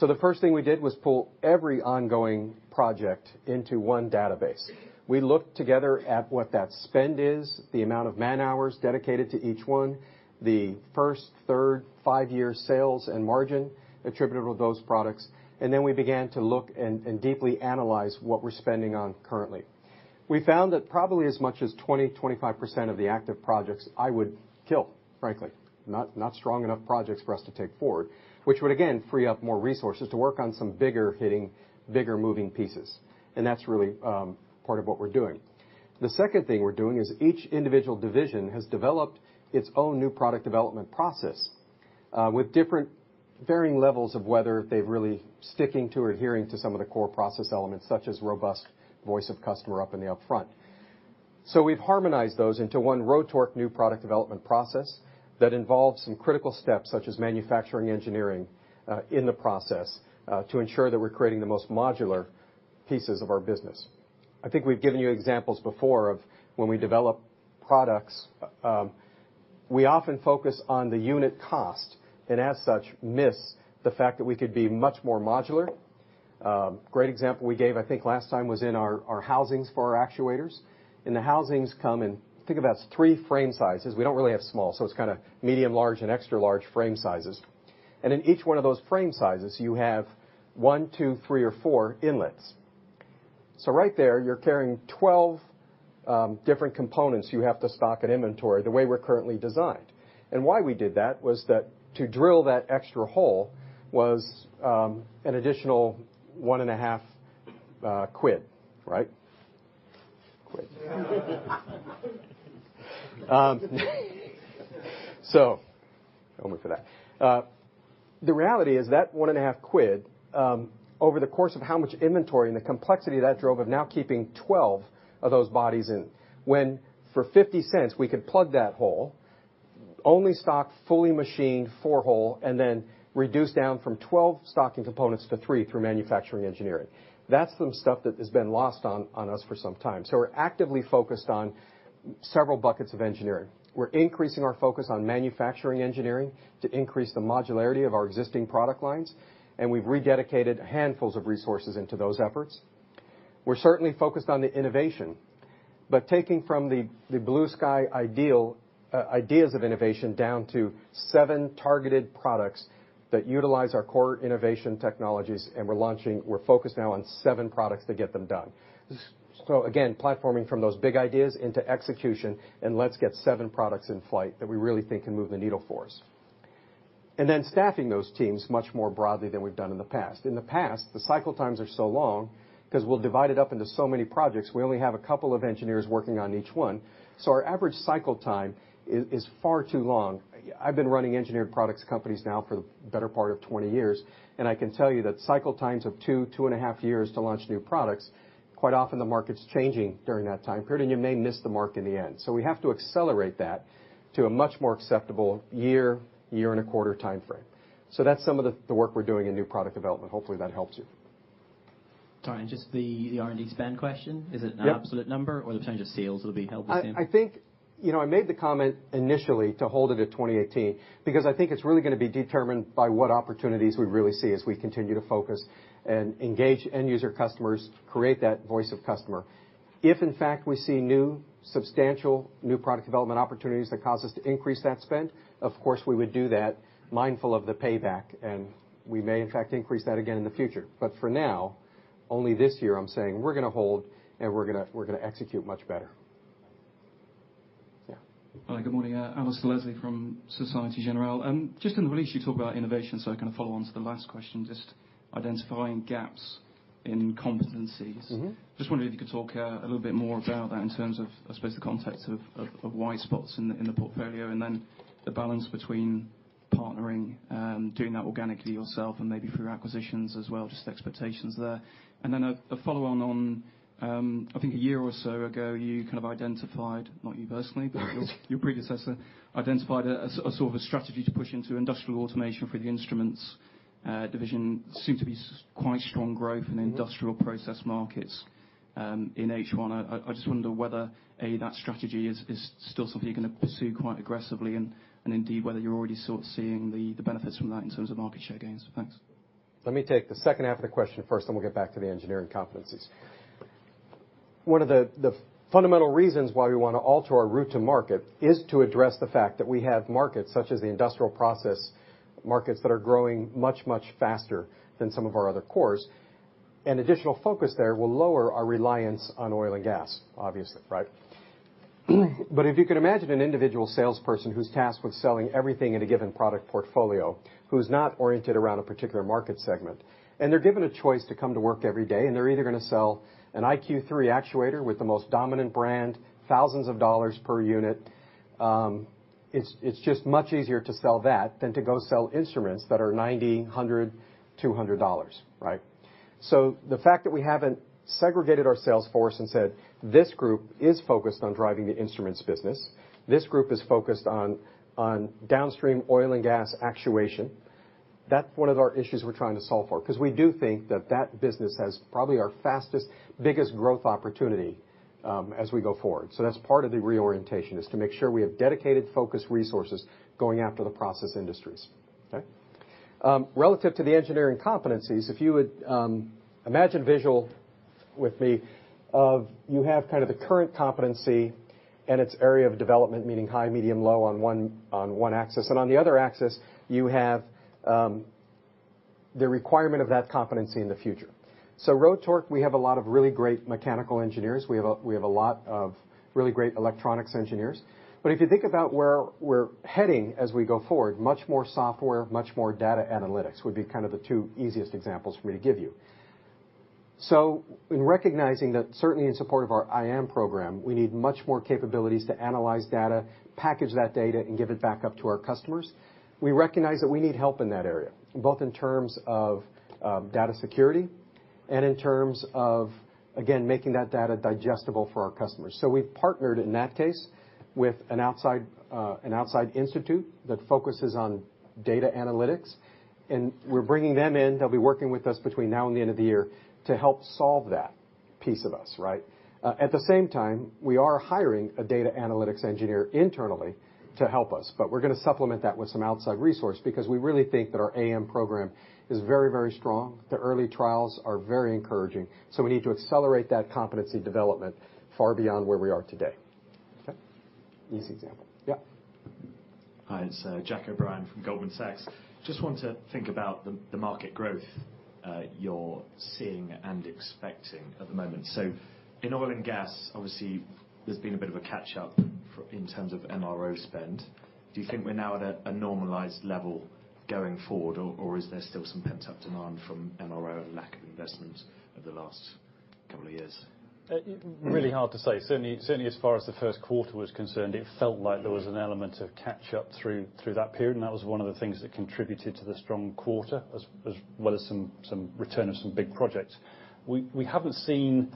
[SPEAKER 1] The first thing we did was pull every ongoing project into one database. We looked together at what that spend is, the amount of man-hours dedicated to each one, the first, third, five-year sales and margin attributable to those products. Then we began to look and deeply analyze what we're spending on currently. We found that probably as much as 20%-25% of the active projects I would kill, frankly. Not strong enough projects for us to take forward, which would, again, free up more resources to work on some bigger hitting, bigger moving pieces. That's really part of what we're doing. The second thing we're doing is each individual division has developed its own New Product Development Process, with different varying levels of whether they're really sticking to or adhering to some of the core process elements, such as robust voice of customer up in the up front. We've harmonized those into one Rotork New Product Development Process that involves some critical steps such as manufacturing engineering in the process, to ensure that we're creating the most modular pieces of our business. I think we've given you examples before of when we develop products, we often focus on the unit cost, and as such, miss the fact that we could be much more modular. Great example we gave, I think, last time was in our housings for our actuators. The housings come in, I think about three frame sizes. We don't really have small, so it's kind of medium, large, and extra large frame sizes. In each one of those frame sizes, you have one, two, three, or four inlets. Right there, you're carrying 12 different components you have to stock in inventory the way we're currently designed. Why we did that was that to drill that extra hole was an additional one and a half GBP. They'll look for that. The reality is that one and a half GBP, over the course of how much inventory and the complexity that drove of now keeping 12 of those bodies in, when for 0.50, we could plug that hole, only stock fully machined four hole, and then reduce down from 12 stocking components to three through manufacturing engineering. That's some stuff that has been lost on us for some time. We're actively focused on several buckets of engineering. We're increasing our focus on manufacturing engineering to increase the modularity of our existing product lines, we've rededicated handfuls of resources into those efforts. We're certainly focused on the innovation, taking from the blue sky ideas of innovation down to seven targeted products that utilize our core innovation technologies. We're focused now on seven products to get them done. Again, platforming from those big ideas into execution and let's get seven products in flight that we really think can move the needle for us. Then staffing those teams much more broadly than we've done in the past. In the past, the cycle times are so long. Because we'll divide it up into so many projects. We only have a couple of engineers working on each one. Our average cycle time is far too long. I've been running engineered products companies now for the better part of 20 years, and I can tell you that cycle times of two and a half years to launch new products, quite often the market's changing during that time period, and you may miss the mark in the end. We have to accelerate that to a much more acceptable year and a quarter timeframe. That's some of the work we're doing in new product development. Hopefully, that helps you.
[SPEAKER 2] Sorry, just the R&D spend question.
[SPEAKER 1] Yep.
[SPEAKER 2] Is it an absolute number, or the percentage of sales that'll be helping them?
[SPEAKER 1] I think I made the comment initially to hold it at 2018 because I think it's really going to be determined by what opportunities we really see as we continue to focus and engage end user customers, create that voice of customer. If, in fact, we see substantial new product development opportunities that cause us to increase that spend, of course, we would do that, mindful of the payback, and we may, in fact, increase that again in the future. For now, only this year I'm saying we're going to hold and we're going to execute much better. Yeah.
[SPEAKER 6] Hi, good morning. Alasdair Leslie from Societe Generale. Just in the release you talk about innovation, I follow on to the last question, just identifying gaps in competencies. Just wondering if you could talk a little bit more about that in terms of, I suppose, the context of [inaudible] in the portfolio and then the balance between partnering and doing that organically yourself and maybe through acquisitions as well, just the expectations there. Then a follow-on on, I think a year or so ago, you kind of identified, not you personally- but your predecessor identified a sort of a strategy to push into industrial automation for the instruments division, seemed to be quite strong growth- in industrial process markets, in H1. I just wonder whether, A, that strategy is still something you're going to pursue quite aggressively, and indeed whether you're already sort of seeing the benefits from that in terms of market share gains. Thanks.
[SPEAKER 1] Let me take the second half of the question first, we'll get back to the engineering competencies. One of the fundamental reasons why we want to alter our route to market is to address the fact that we have markets such as the industrial process markets that are growing much, much faster than some of our other cores, additional focus there will lower our reliance on oil and gas, obviously, right? If you can imagine an individual salesperson who's tasked with selling everything in a given product portfolio, who's not oriented around a particular market segment, they're given a choice to come to work every day, they're either going to sell an IQ3 actuator with the most dominant brand, thousands of GBP per unit. It's just much easier to sell that than to go sell instruments that are 90, 100, GBP 200, right? The fact that we haven't segregated our sales force and said, "This group is focused on driving the instruments business. This group is focused on downstream oil and gas actuation." That's one of our issues we're trying to solve for, because we do think that that business has probably our fastest, biggest growth opportunity as we go forward. That's part of the reorientation, is to make sure we have dedicated focus resources going after the process industries. Okay? Relative to the engineering competencies, if you would imagine visual with me of you have kind of the current competency and its area of development, meaning high, medium, low on one axis. On the other axis, you have the requirement of that competency in the future. Rotork, we have a lot of really great mechanical engineers. We have a lot of really great electronics engineers. If you think about where we're heading as we go forward, much more software, much more data analytics would be kind of the two easiest examples for me to give you. In recognizing that certainly in support of our iAM program, we need much more capabilities to analyze data, package that data, and give it back up to our customers. We recognize that we need help in that area, both in terms of data security and in terms of, again, making that data digestible for our customers. We've partnered, in that case, with an outside institute that focuses on data analytics, and we're bringing them in. They'll be working with us between now and the end of the year to help solve that piece of us, right? At the same time, we are hiring a data analytics engineer internally to help us. We're going to supplement that with some outside resource because we really think that our AM program is very, very strong. The early trials are very encouraging. We need to accelerate that competency development far beyond where we are today. Okay? Easy example. Yeah.
[SPEAKER 7] Hi, it's Jack O'Brien from Goldman Sachs. Just want to think about the market growth you're seeing and expecting at the moment. In oil and gas, obviously, there's been a bit of a catch-up in terms of MRO spend. Do you think we're now at a normalized level going forward, or is there still some pent-up demand from MRO and lack of investments over the last couple of years?
[SPEAKER 2] Really hard to say. Certainly, as far as the first quarter was concerned, it felt like there was an element of catch-up through that period, and that was one of the things that contributed to the strong quarter, as well as some return of some big projects. We haven't seen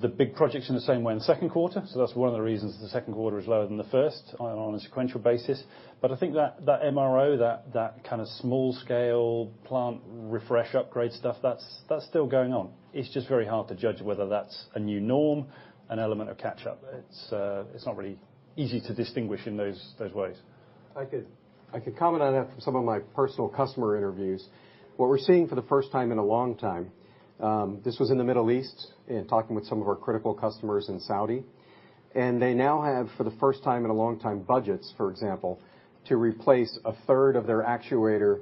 [SPEAKER 2] the big projects in the same way in the second quarter, that's one of the reasons the second quarter is lower than the first on a sequential basis. I think that MRO, that kind of small-scale plant refresh upgrade stuff, that's still going on. It's just very hard to judge whether that's a new norm, an element of catch-up. It's not really easy to distinguish in those ways.
[SPEAKER 1] I could comment on that from some of my personal customer interviews. What we're seeing for the first time in a long time, this was in the Middle East in talking with some of our critical customers in Saudi. They now have, for the first time in a long time, budgets, for example, to replace a third of their actuator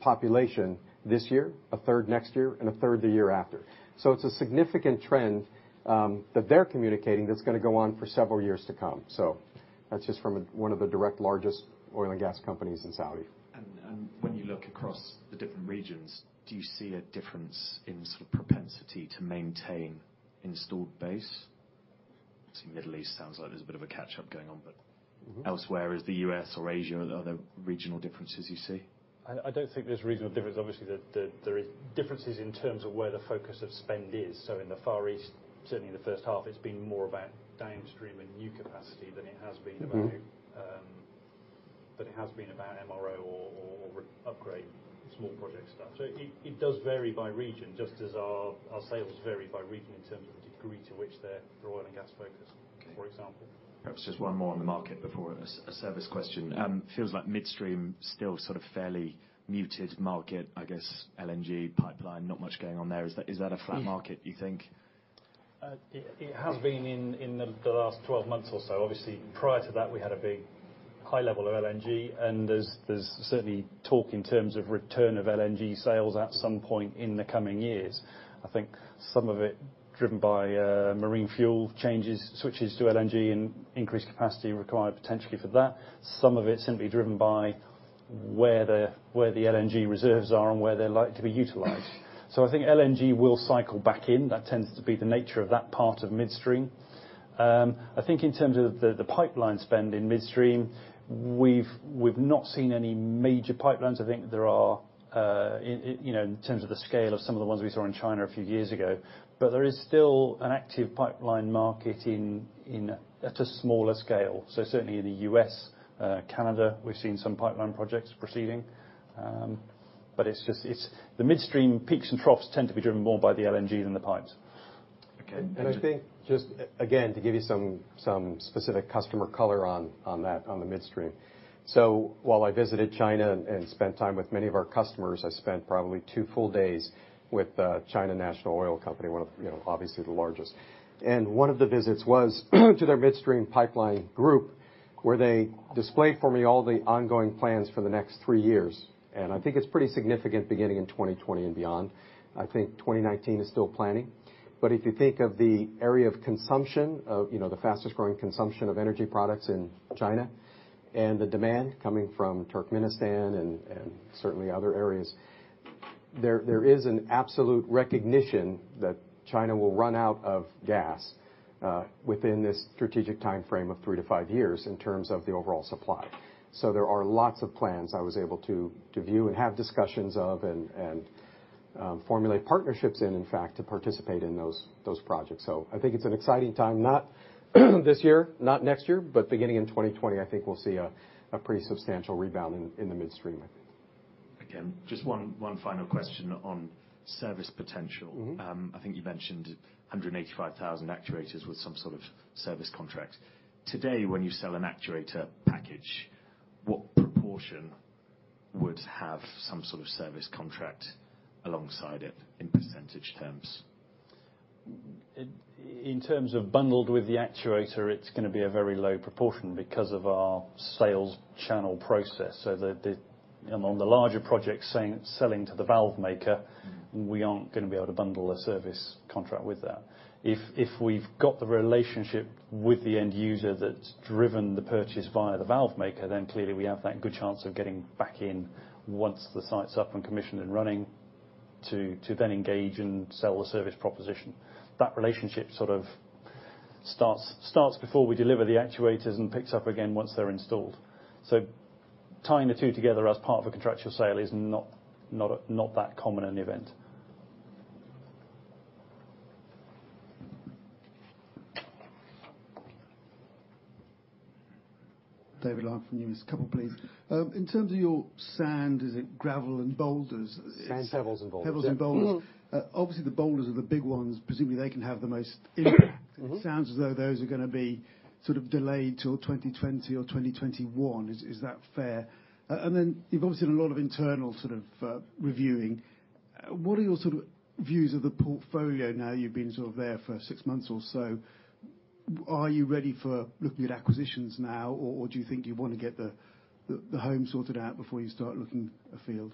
[SPEAKER 1] population this year, a third next year, and a third the year after. It's a significant trend that they're communicating that's going to go on for several years to come. That's just from one of the direct largest oil and gas companies in Saudi.
[SPEAKER 7] When you look across the different regions, do you see a difference in sort of propensity to maintain installed base? Obviously, Middle East sounds like there's a bit of a catch-up going on. Elsewhere, is the U.S. or Asia, are there regional differences you see?
[SPEAKER 2] I don't think there's regional difference. Obviously, there is differences in terms of where the focus of spend is. In the Far East, certainly in the first half, it's been more about downstream and new capacity than it has been. MRO or upgrade, small project stuff. It does vary by region just as our sales vary by region in terms of the degree to which they're oil and gas focused.
[SPEAKER 7] Okay
[SPEAKER 2] for example.
[SPEAKER 7] Perhaps just one more on the market before a service question.
[SPEAKER 2] Yeah.
[SPEAKER 7] Feels like midstream still fairly muted market, I guess LNG pipeline, not much going on there. Is that a flat market, you think?
[SPEAKER 2] It has been in the last 12 months or so. Obviously, prior to that, we had a big high level of LNG, and there's certainly talk in terms of return of LNG sales at some point in the coming years. I think some of it driven by marine fuel changes, switches to LNG and increased capacity required potentially for that. Some of it simply driven by where the LNG reserves are and where they're likely to be utilized. I think LNG will cycle back in. That tends to be the nature of that part of midstream. I think in terms of the pipeline spend in midstream, we've not seen any major pipelines. I think there are, in terms of the scale of some of the ones we saw in China a few years ago, but there is still an active pipeline market at a smaller scale. Certainly in the U.S., Canada, we've seen some pipeline projects proceeding. The midstream peaks and troughs tend to be driven more by the LNG than the pipes.
[SPEAKER 7] Okay.
[SPEAKER 1] I think just, again, to give you some specific customer color on the midstream. While I visited China and spent time with many of our customers, I spent probably two full days with China National Petroleum Corporation, one of obviously the largest. One of the visits was to their midstream pipeline group, where they displayed for me all the ongoing plans for the next three years. I think it's pretty significant beginning in 2020 and beyond. I think 2019 is still planning. If you think of the area of consumption, the fastest-growing consumption of energy products in China, and the demand coming from Turkmenistan and certainly other areas, there is an absolute recognition that China will run out of gas within this strategic time frame of three to five years in terms of the overall supply. There are lots of plans I was able to view and have discussions of and formulate partnerships in fact, to participate in those projects. I think it's an exciting time, not this year, not next year, but beginning in 2020, I think we'll see a pretty substantial rebound in the midstream, I think.
[SPEAKER 7] Again, just one final question on service potential. I think you mentioned 185,000 actuators with some sort of service contract. Today, when you sell an actuator package, what proportion would have some sort of service contract alongside it in percentage terms?
[SPEAKER 2] In terms of bundled with the actuator, it's going to be a very low proportion because of our sales channel process. On the larger projects selling to the valve maker. We aren't going to be able to bundle a service contract with that. If we've got the relationship with the end user that's driven the purchase via the valve maker, then clearly we have that good chance of getting back in once the site's up and commissioned and running to then engage and sell the service proposition. That relationship sort of starts before we deliver the actuators and picks up again once they're installed. Tying the two together as part of a contractual sale is not that common an event.
[SPEAKER 8] David, I have for you a couple, please. In terms of your sand, is it gravel and boulders?
[SPEAKER 1] Sand, pebbles, and boulders.
[SPEAKER 8] Pebbles and boulders. Obviously, the boulders are the big ones. Presumably, they can have the most impact. It sounds as though those are going to be delayed till 2020 or 2021. Is that fair? You've obviously had a lot of internal reviewing. What are your views of the portfolio now you've been there for six months or so? Are you ready for looking at acquisitions now, or do you think you want to get the home sorted out before you start looking afield?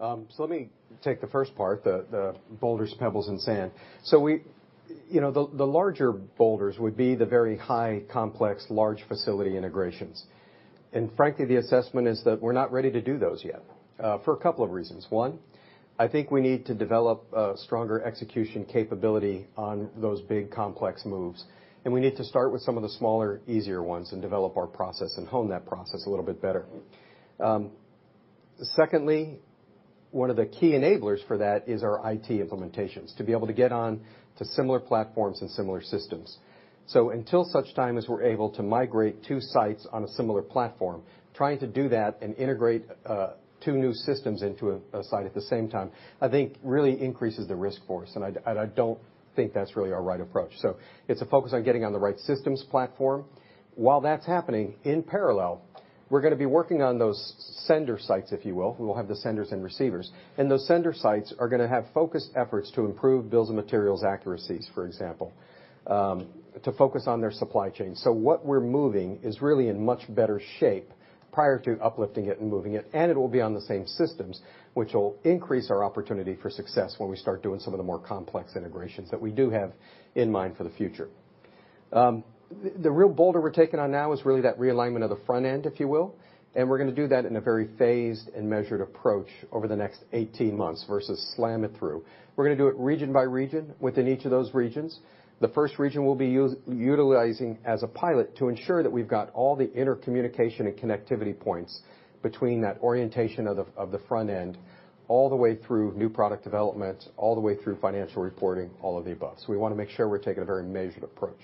[SPEAKER 1] Let me take the first part, the boulders, pebbles, and sand. The larger boulders would be the very high, complex, large facility integrations. Frankly, the assessment is that we're not ready to do those yet, for a couple of reasons. One, I think we need to develop a stronger execution capability on those big, complex moves. We need to start with some of the smaller, easier ones and develop our process and hone that process a little bit better. Secondly, one of the key enablers for that is our IT implementations, to be able to get on to similar platforms and similar systems. Until such time as we're able to migrate two sites on a similar platform, trying to do that and integrate two new systems into a site at the same time, I think really increases the risk for us. I don't think that's really our right approach. It's a focus on getting on the right systems platform. While that's happening, in parallel, we're going to be working on those sender sites, if you will. We will have the senders and receivers. Those sender sites are going to have focused efforts to improve bills of materials accuracies, for example, to focus on their supply chain. What we're moving is really in much better shape prior to uplifting it and moving it, and it'll be on the same systems, which will increase our opportunity for success when we start doing some of the more complex integrations that we do have in mind for the future. The real boulder we're taking on now is really that realignment of the front end, if you will. We're going to do that in a very phased and measured approach over the next 18 months versus slam it through. We're going to do it region by region within each of those regions. The first region we'll be utilizing as a pilot to ensure that we've got all the intercommunication and connectivity points between that orientation of the front end, all the way through new product development, all the way through financial reporting, all of the above. We want to make sure we're taking a very measured approach.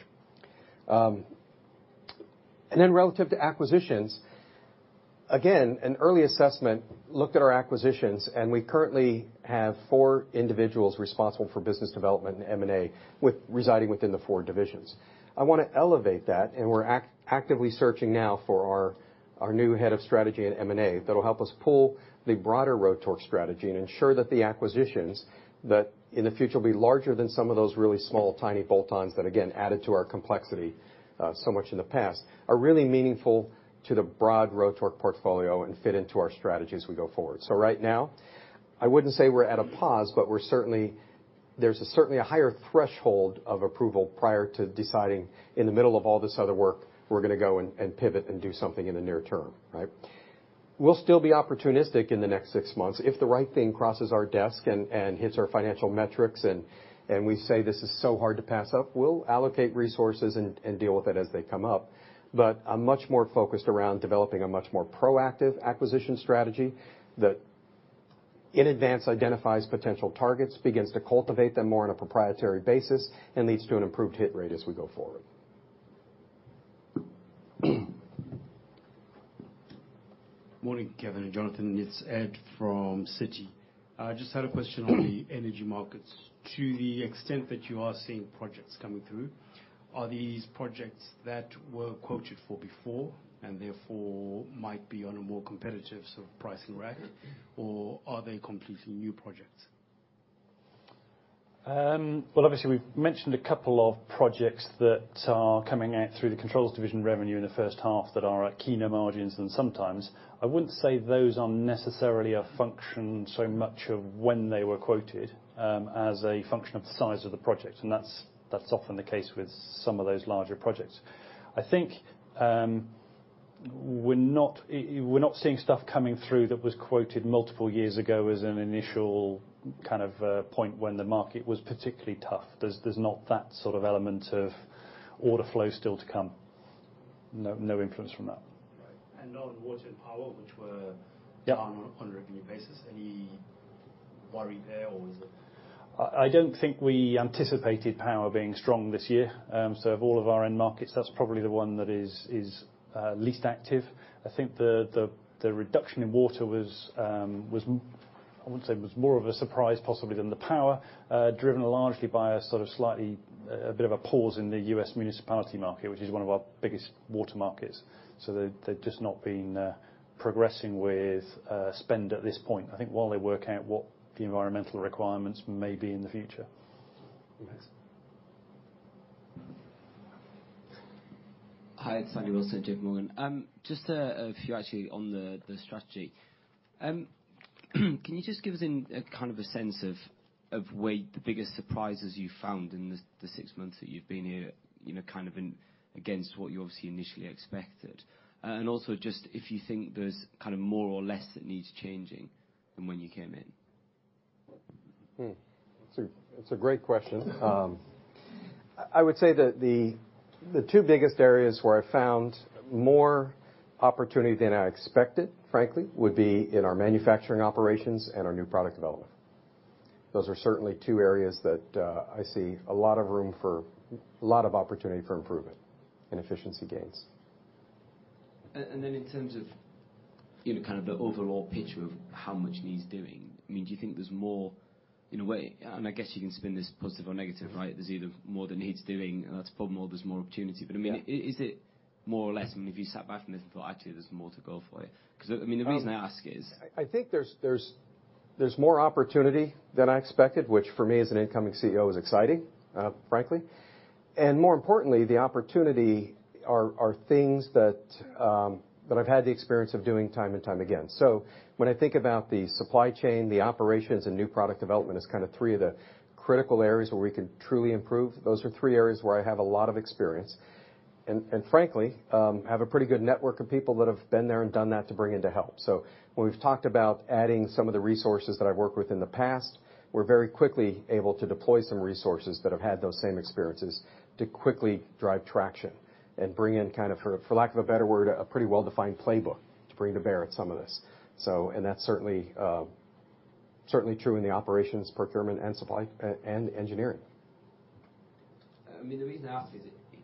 [SPEAKER 1] Then relative to acquisitions, again, an early assessment looked at our acquisitions, and we currently have four individuals responsible for business development and M&A residing within the four divisions. I want to elevate that. We're actively searching now for our new head of strategy and M&A that'll help us pull the broader Rotork strategy and ensure that the acquisitions, that in the future will be larger than some of those really small, tiny bolt-ons that again, added to our complexity so much in the past, are really meaningful to the broad Rotork portfolio and fit into our strategy as we go forward. Right now, I wouldn't say we're at a pause, but there's certainly a higher threshold of approval prior to deciding in the middle of all this other work, we're going to go and pivot and do something in the near term, right? We'll still be opportunistic in the next six months. If the right thing crosses our desk and hits our financial metrics and we say this is so hard to pass up, we'll allocate resources and deal with it as they come up. I'm much more focused around developing a much more proactive acquisition strategy that in advance identifies potential targets, begins to cultivate them more on a proprietary basis, and leads to an improved hit rate as we go forward.
[SPEAKER 9] Morning, Kevin and Jonathan. It's Ed from Citi. I just had a question on the energy markets. To the extent that you are seeing projects coming through, are these projects that were quoted for before and therefore might be on a more competitive [inaudible] rack, or are they completely new projects?
[SPEAKER 2] Well, obviously, we've mentioned two projects that are coming out through the controls division revenue in the first half that are at keener margins than sometimes. I wouldn't say those are necessarily a function so much of when they were quoted as a function of the size of the project, and that's often the case with some of those larger projects. I think we're not seeing stuff coming through that was quoted multiple years ago as an initial point when the market was particularly tough. There's not that sort of element of order flow still to come. No influence from that.
[SPEAKER 9] Right. On water and power, which were-
[SPEAKER 2] Yeah
[SPEAKER 9] down on a revenue basis, any worry there or is it
[SPEAKER 2] I don't think we anticipated power being strong this year. Of all of our end markets, that's probably the one that is least active. I think the reduction in water was, I would say, was more of a surprise possibly than the power, driven largely by a sort of slightly, a bit of a pause in the U.S. municipality market, which is one of our biggest water markets. They've just not been progressing with spend at this point, I think while they work out what the environmental requirements may be in the future.
[SPEAKER 9] Okay.
[SPEAKER 10] Hi, it's Andy Wilson, JP Morgan. Just a few actually on the strategy. Can you just give us a sense of where the biggest surprises you found in the six months that you've been here, against what you obviously initially expected? Also just if you think there's more or less that needs changing than when you came in.
[SPEAKER 1] Hmm. It's a great question. I would say that the two biggest areas where I found more opportunity than I expected, frankly, would be in our manufacturing operations and our new product development. Those are certainly two areas that I see a lot of room for, a lot of opportunity for improvement and efficiency gains.
[SPEAKER 10] In terms of the overall picture of how much needs doing, do you think there's more in a way, and I guess you can spin this positive or negative, right? There's either more that needs doing, and that's a problem, or there's more opportunity.
[SPEAKER 1] Yeah.
[SPEAKER 10] Is it more or less, if you sat back from this and thought, "Actually, there's more to go for here?" The reason I ask is
[SPEAKER 1] I think there's more opportunity than I expected, which for me as an incoming CEO is exciting, frankly. More importantly, the opportunity are things that I've had the experience of doing time and time again. When I think about the supply chain, the operations and new product development as three of the critical areas where we can truly improve, those are three areas where I have a lot of experience and frankly, have a pretty good network of people that have been there and done that to bring in to help. When we've talked about adding some of the resources that I've worked with in the past, we're very quickly able to deploy some resources that have had those same experiences to quickly drive traction and bring in, for lack of a better word, a pretty well-defined playbook to bring to bear at some of this. That's certainly true in the operations, procurement, and supply, and engineering.
[SPEAKER 10] The reason I ask is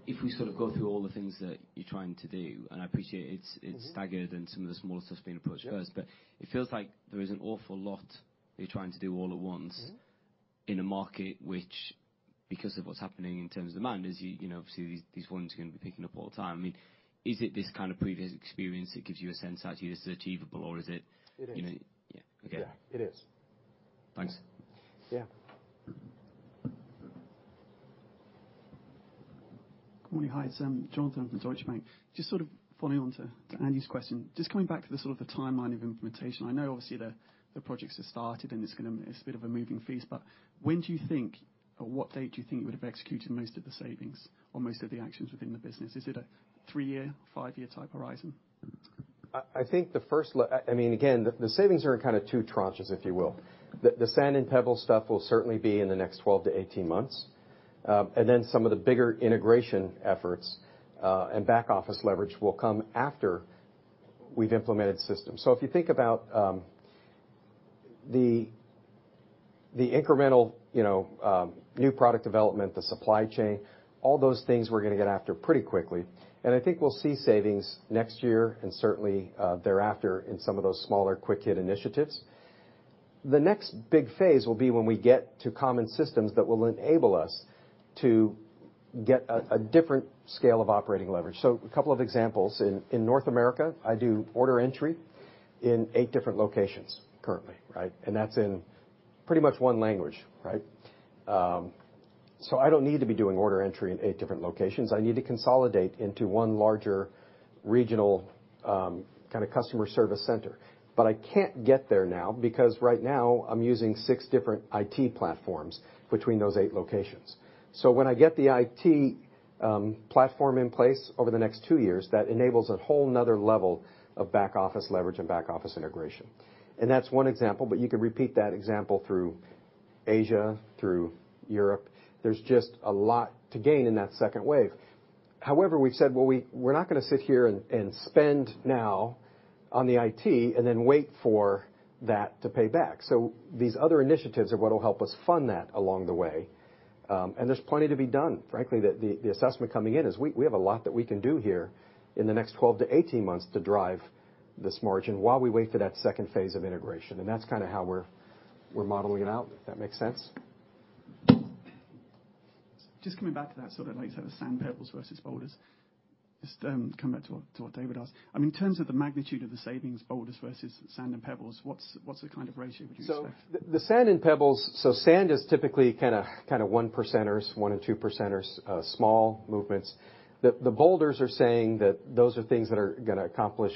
[SPEAKER 10] if we go through all the things that you're trying to do, and I appreciate it's staggered and some of the smaller stuff's been approached first-
[SPEAKER 1] Yeah
[SPEAKER 10] It feels like there is an awful lot you're trying to do all at once- In a market which, because of what's happening in terms of demand, as you obviously these ones are going to be picking up all the time. Is it this kind of previous experience that gives you a sense actually this is achievable or is it-
[SPEAKER 1] It is.
[SPEAKER 10] Yeah. Okay.
[SPEAKER 1] Yeah, it is.
[SPEAKER 10] Thanks.
[SPEAKER 1] Yeah.
[SPEAKER 11] Good morning. Hi, it's Jonathan from Deutsche Bank. Just following on to Andy's question, just coming back to the sort of the timeline of implementation. I know obviously the projects have started, and it's a bit of a moving feast, but when do you think or what date do you think would have executed most of the savings or most of the actions within the business? Is it a three-year, five-year type horizon?
[SPEAKER 1] The savings are in two tranches, if you will. The sand and pebble stuff will certainly be in the next 12 to 18 months. Some of the bigger integration efforts, and back office leverage will come after we've implemented systems. If you think about the incremental new product development, the supply chain, all those things we're going to get after pretty quickly, and I think we'll see savings next year and certainly thereafter in some of those smaller quick-hit initiatives. The next big phase will be when we get to common systems that will enable us to get a different scale of operating leverage. A couple of examples. In North America, I do order entry in eight different locations currently. That's in pretty much one language. I don't need to be doing order entry in eight different locations. I need to consolidate into one larger regional customer service center. I can't get there now because right now I'm using 6 different IT platforms between those 8 locations. When I get the IT platform in place over the next 2 years, that enables a whole other level of back office leverage and back office integration. That's one example, but you could repeat that example through Asia, through Europe. There's just a lot to gain in that second wave. However, we've said, "Well, we're not going to sit here and spend now on the IT and then wait for that to pay back." These other initiatives are what'll help us fund that along the way. There's plenty to be done. Frankly, the assessment coming in is we have a lot that we can do here in the next 12-18 months to drive this margin while we wait for that second phase of integration. That's how we're modeling it out, if that makes sense.
[SPEAKER 8] Just coming back to that later, sand, pebbles versus boulders. Just come back to what David asked. In terms of the magnitude of the savings, boulders versus sand and pebbles, what's the kind of ratio would you expect?
[SPEAKER 1] The sand and pebbles, sand is typically kind of one percenters, one and two percenters, small movements. The boulders are saying that those are things that are going to accomplish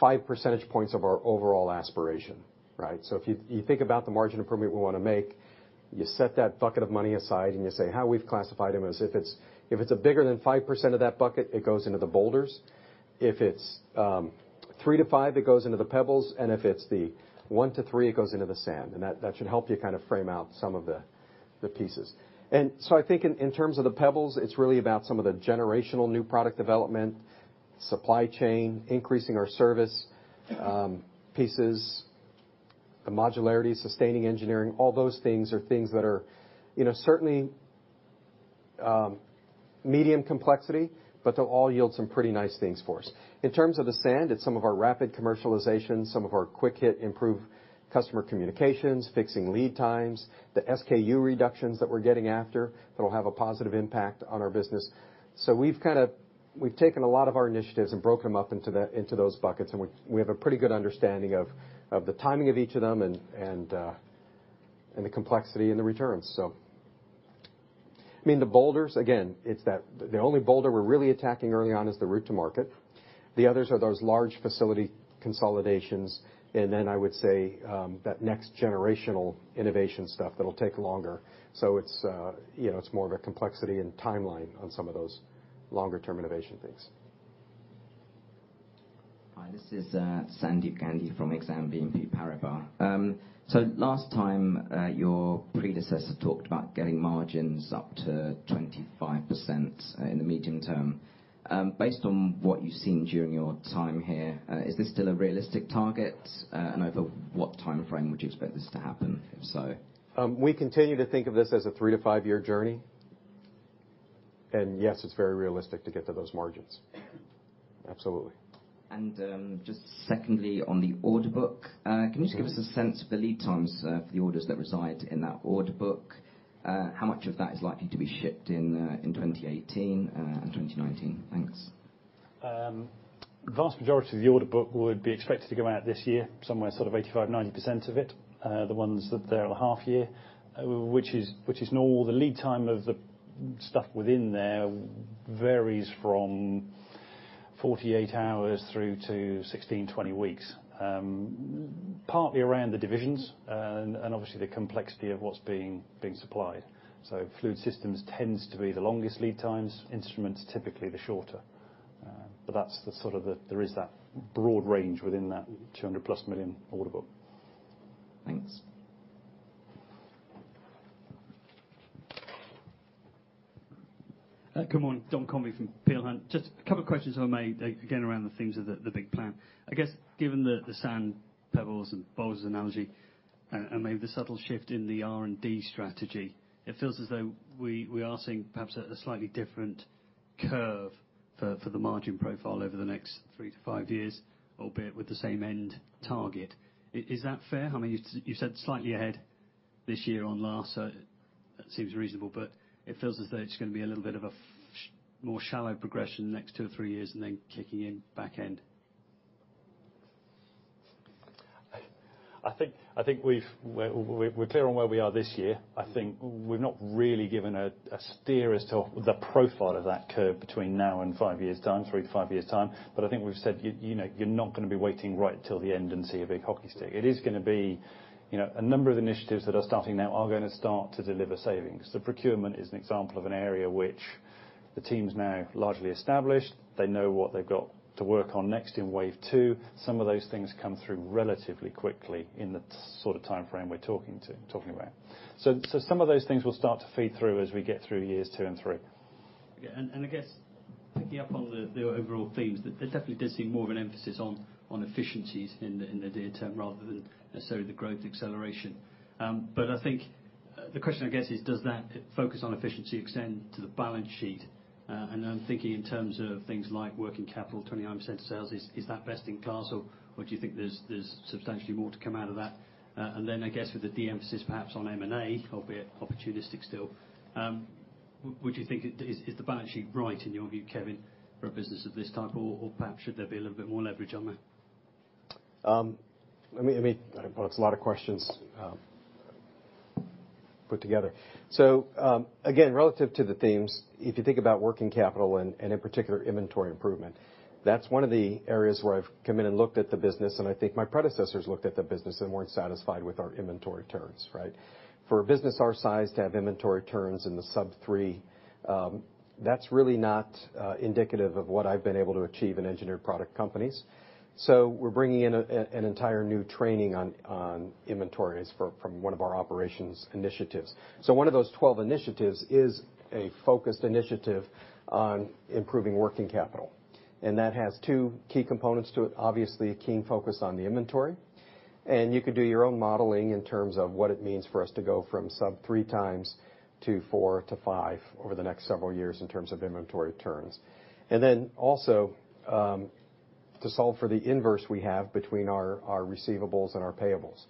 [SPEAKER 1] five percentage points of our overall aspiration. If you think about the margin improvement we want to make, you set that bucket of money aside and you say how we've classified them is if it's a bigger than 5% of that bucket, it goes into the boulders. If it's 3-5, it goes into the pebbles, and if it's the 1-3, it goes into the sand. That should help you frame out some of the pieces. I think in terms of the pebbles, it's really about some of the generational new product development, supply chain, increasing our service pieces, the modularity, sustaining engineering, all those things are things that are certainly medium complexity, but they'll all yield some pretty nice things for us. In terms of the sand, it's some of our rapid commercialization, some of our quick-hit improved customer communications, fixing lead times, the SKU reductions that we're getting after that'll have a positive impact on our business. We've taken a lot of our initiatives and broken them up into those buckets, and we have a pretty good understanding of the timing of each of them and the complexity and the returns. The boulders, again, the only boulder we're really attacking early on is the route to market. The others are those large facility consolidations, I would say that next generational innovation stuff that'll take longer. It's more of a complexity and timeline on some of those longer-term innovation things.
[SPEAKER 12] Hi, this is Sandeep Gandhi from Exane BNP Paribas. Last time, your predecessor talked about getting margins up to 25% in the medium term. Based on what you've seen during your time here, is this still a realistic target? Over what timeframe would you expect this to happen, if so?
[SPEAKER 1] We continue to think of this as a 3- to 5-year journey. Yes, it's very realistic to get to those margins. Absolutely.
[SPEAKER 12] Just secondly, on the order book, can you just give us a sense of the lead times for the orders that reside in that order book? How much of that is likely to be shipped in 2018 and 2019? Thanks.
[SPEAKER 2] The vast majority of the order book would be expected to go out this year, somewhere sort of 85%-90% of it. The ones that are there a half year, which is normal. The lead time of the stuff within there varies from 48 hours through to 16-20 weeks. Partly around the divisions and obviously the complexity of what's being supplied. Fluid Systems tends to be the longest lead times, instruments typically the shorter. There is that broad range within that 200-plus million order book.
[SPEAKER 12] Thanks.
[SPEAKER 13] Good morning. Dominic Conway from Peel Hunt. Just a couple of questions I made, again, around the themes of the big plan. I guess given the sand, pebbles, and boulders analogy, and maybe the subtle shift in the R&D strategy, it feels as though we are seeing perhaps a slightly different curve for the margin profile over the next three to five years, albeit with the same end target. Is that fair? You said slightly ahead this year on last, so that seems reasonable, but it feels as though it's going to be a little bit of a more shallow progression the next two or three years and then kicking in back end.
[SPEAKER 2] I think we're clear on where we are this year. I think we've not really given a steer as to the profile of that curve between now and five years' time, three to five years' time. I think we've said you're not going to be waiting right till the end and see a big hockey stick. It is going to be a number of initiatives that are starting now are going to start to deliver savings. The procurement is an example of an area which the team's now largely established. They know what they've got to work on next in wave 2. Some of those things come through relatively quickly in the sort of timeframe we're talking about. Some of those things will start to feed through as we get through years two and three.
[SPEAKER 13] Picking up on the overall themes, there definitely does seem more of an emphasis on efficiencies in the near term rather than necessarily the growth acceleration. I think the question, I guess, is does that focus on efficiency extend to the balance sheet? I'm thinking in terms of things like working capital, 29% of sales. Is that best in class, or do you think there's substantially more to come out of that? Then I guess with the de-emphasis perhaps on M&A, albeit opportunistic still, would you think is the balance sheet right in your view, Kevin, for a business of this type, or perhaps should there be a little bit more leverage on that?
[SPEAKER 1] Well, it's a lot of questions put together. Again, relative to the themes, if you think about working capital and in particular inventory improvement, that's one of the areas where I've come in and looked at the business and I think my predecessors looked at the business and weren't satisfied with our inventory turns, right? For a business our size to have inventory turns in the sub three, that's really not indicative of what I've been able to achieve in engineered product companies. We're bringing in an entire new training on inventories from one of our operations initiatives. One of those 12 initiatives is a focused initiative on improving working capital, and that has two key components to it. Obviously, a keen focus on the inventory, and you could do your own modeling in terms of what it means for us to go from sub 3 times to 4 to 5 over the next several years in terms of inventory turns. Then also, to solve for the inverse we have between our receivables and our payables.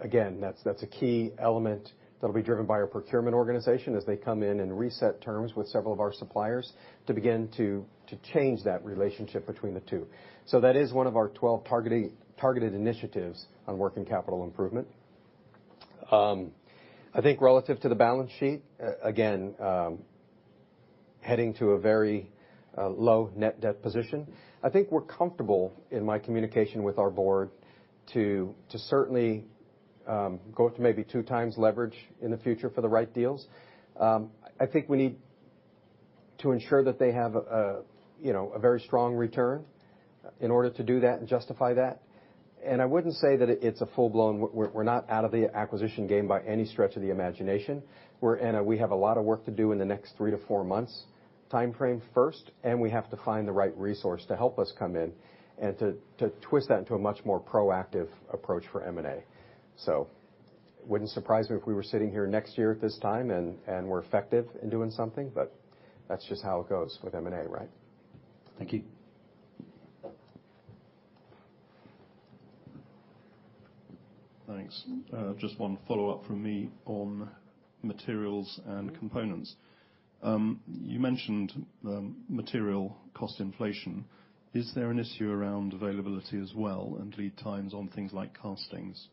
[SPEAKER 1] Again, that'll be driven by our procurement organization as they come in and reset terms with several of our suppliers to begin to change that relationship between the two. That is one of our 12 targeted initiatives on working capital improvement. I think relative to the balance sheet, again, heading to a very low net debt position. I think we're comfortable in my communication with our board to certainly go up to maybe 2 times leverage in the future for the right deals. I think we need to ensure that they have a very strong return in order to do that and justify that. I wouldn't say that it's a full-blown We're not out of the acquisition game by any stretch of the imagination. We have a lot of work to do in the next 3 to 4 months timeframe first, and we have to find the right resource to help us come in and to twist that into a much more proactive approach for M&A. It wouldn't surprise me if we were sitting here next year at this time and we're effective in doing something, that's just how it goes with M&A, right?
[SPEAKER 13] Thank you.
[SPEAKER 3] Thanks. Just one follow-up from me on materials and components. You mentioned the material cost inflation. Is there an issue around availability as well and lead times on things like castings?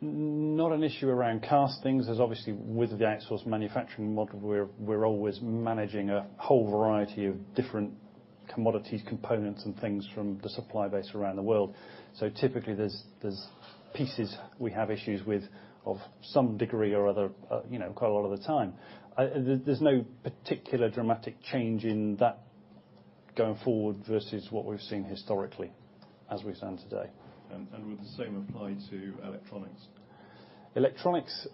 [SPEAKER 2] Not an issue around castings. As obviously with the outsource manufacturing model, we're always managing a whole variety of different commodities, components, and things from the supply base around the world. Typically, there's pieces we have issues with of some degree or other quite a lot of the time. There's no particular dramatic change in that going forward versus what we've seen historically as we stand today.
[SPEAKER 3] Would the same apply to electronics?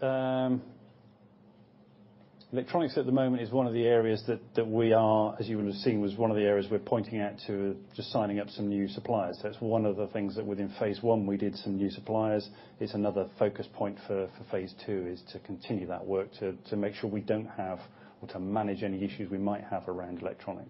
[SPEAKER 2] Electronics at the moment is one of the areas that we are, as you would have seen, was one of the areas we're pointing at to just signing up some new suppliers. It's one of the things that within phase one, we did some new suppliers. It's another focus point for phase two is to continue that work, to make sure we don't have or to manage any issues we might have around electronics.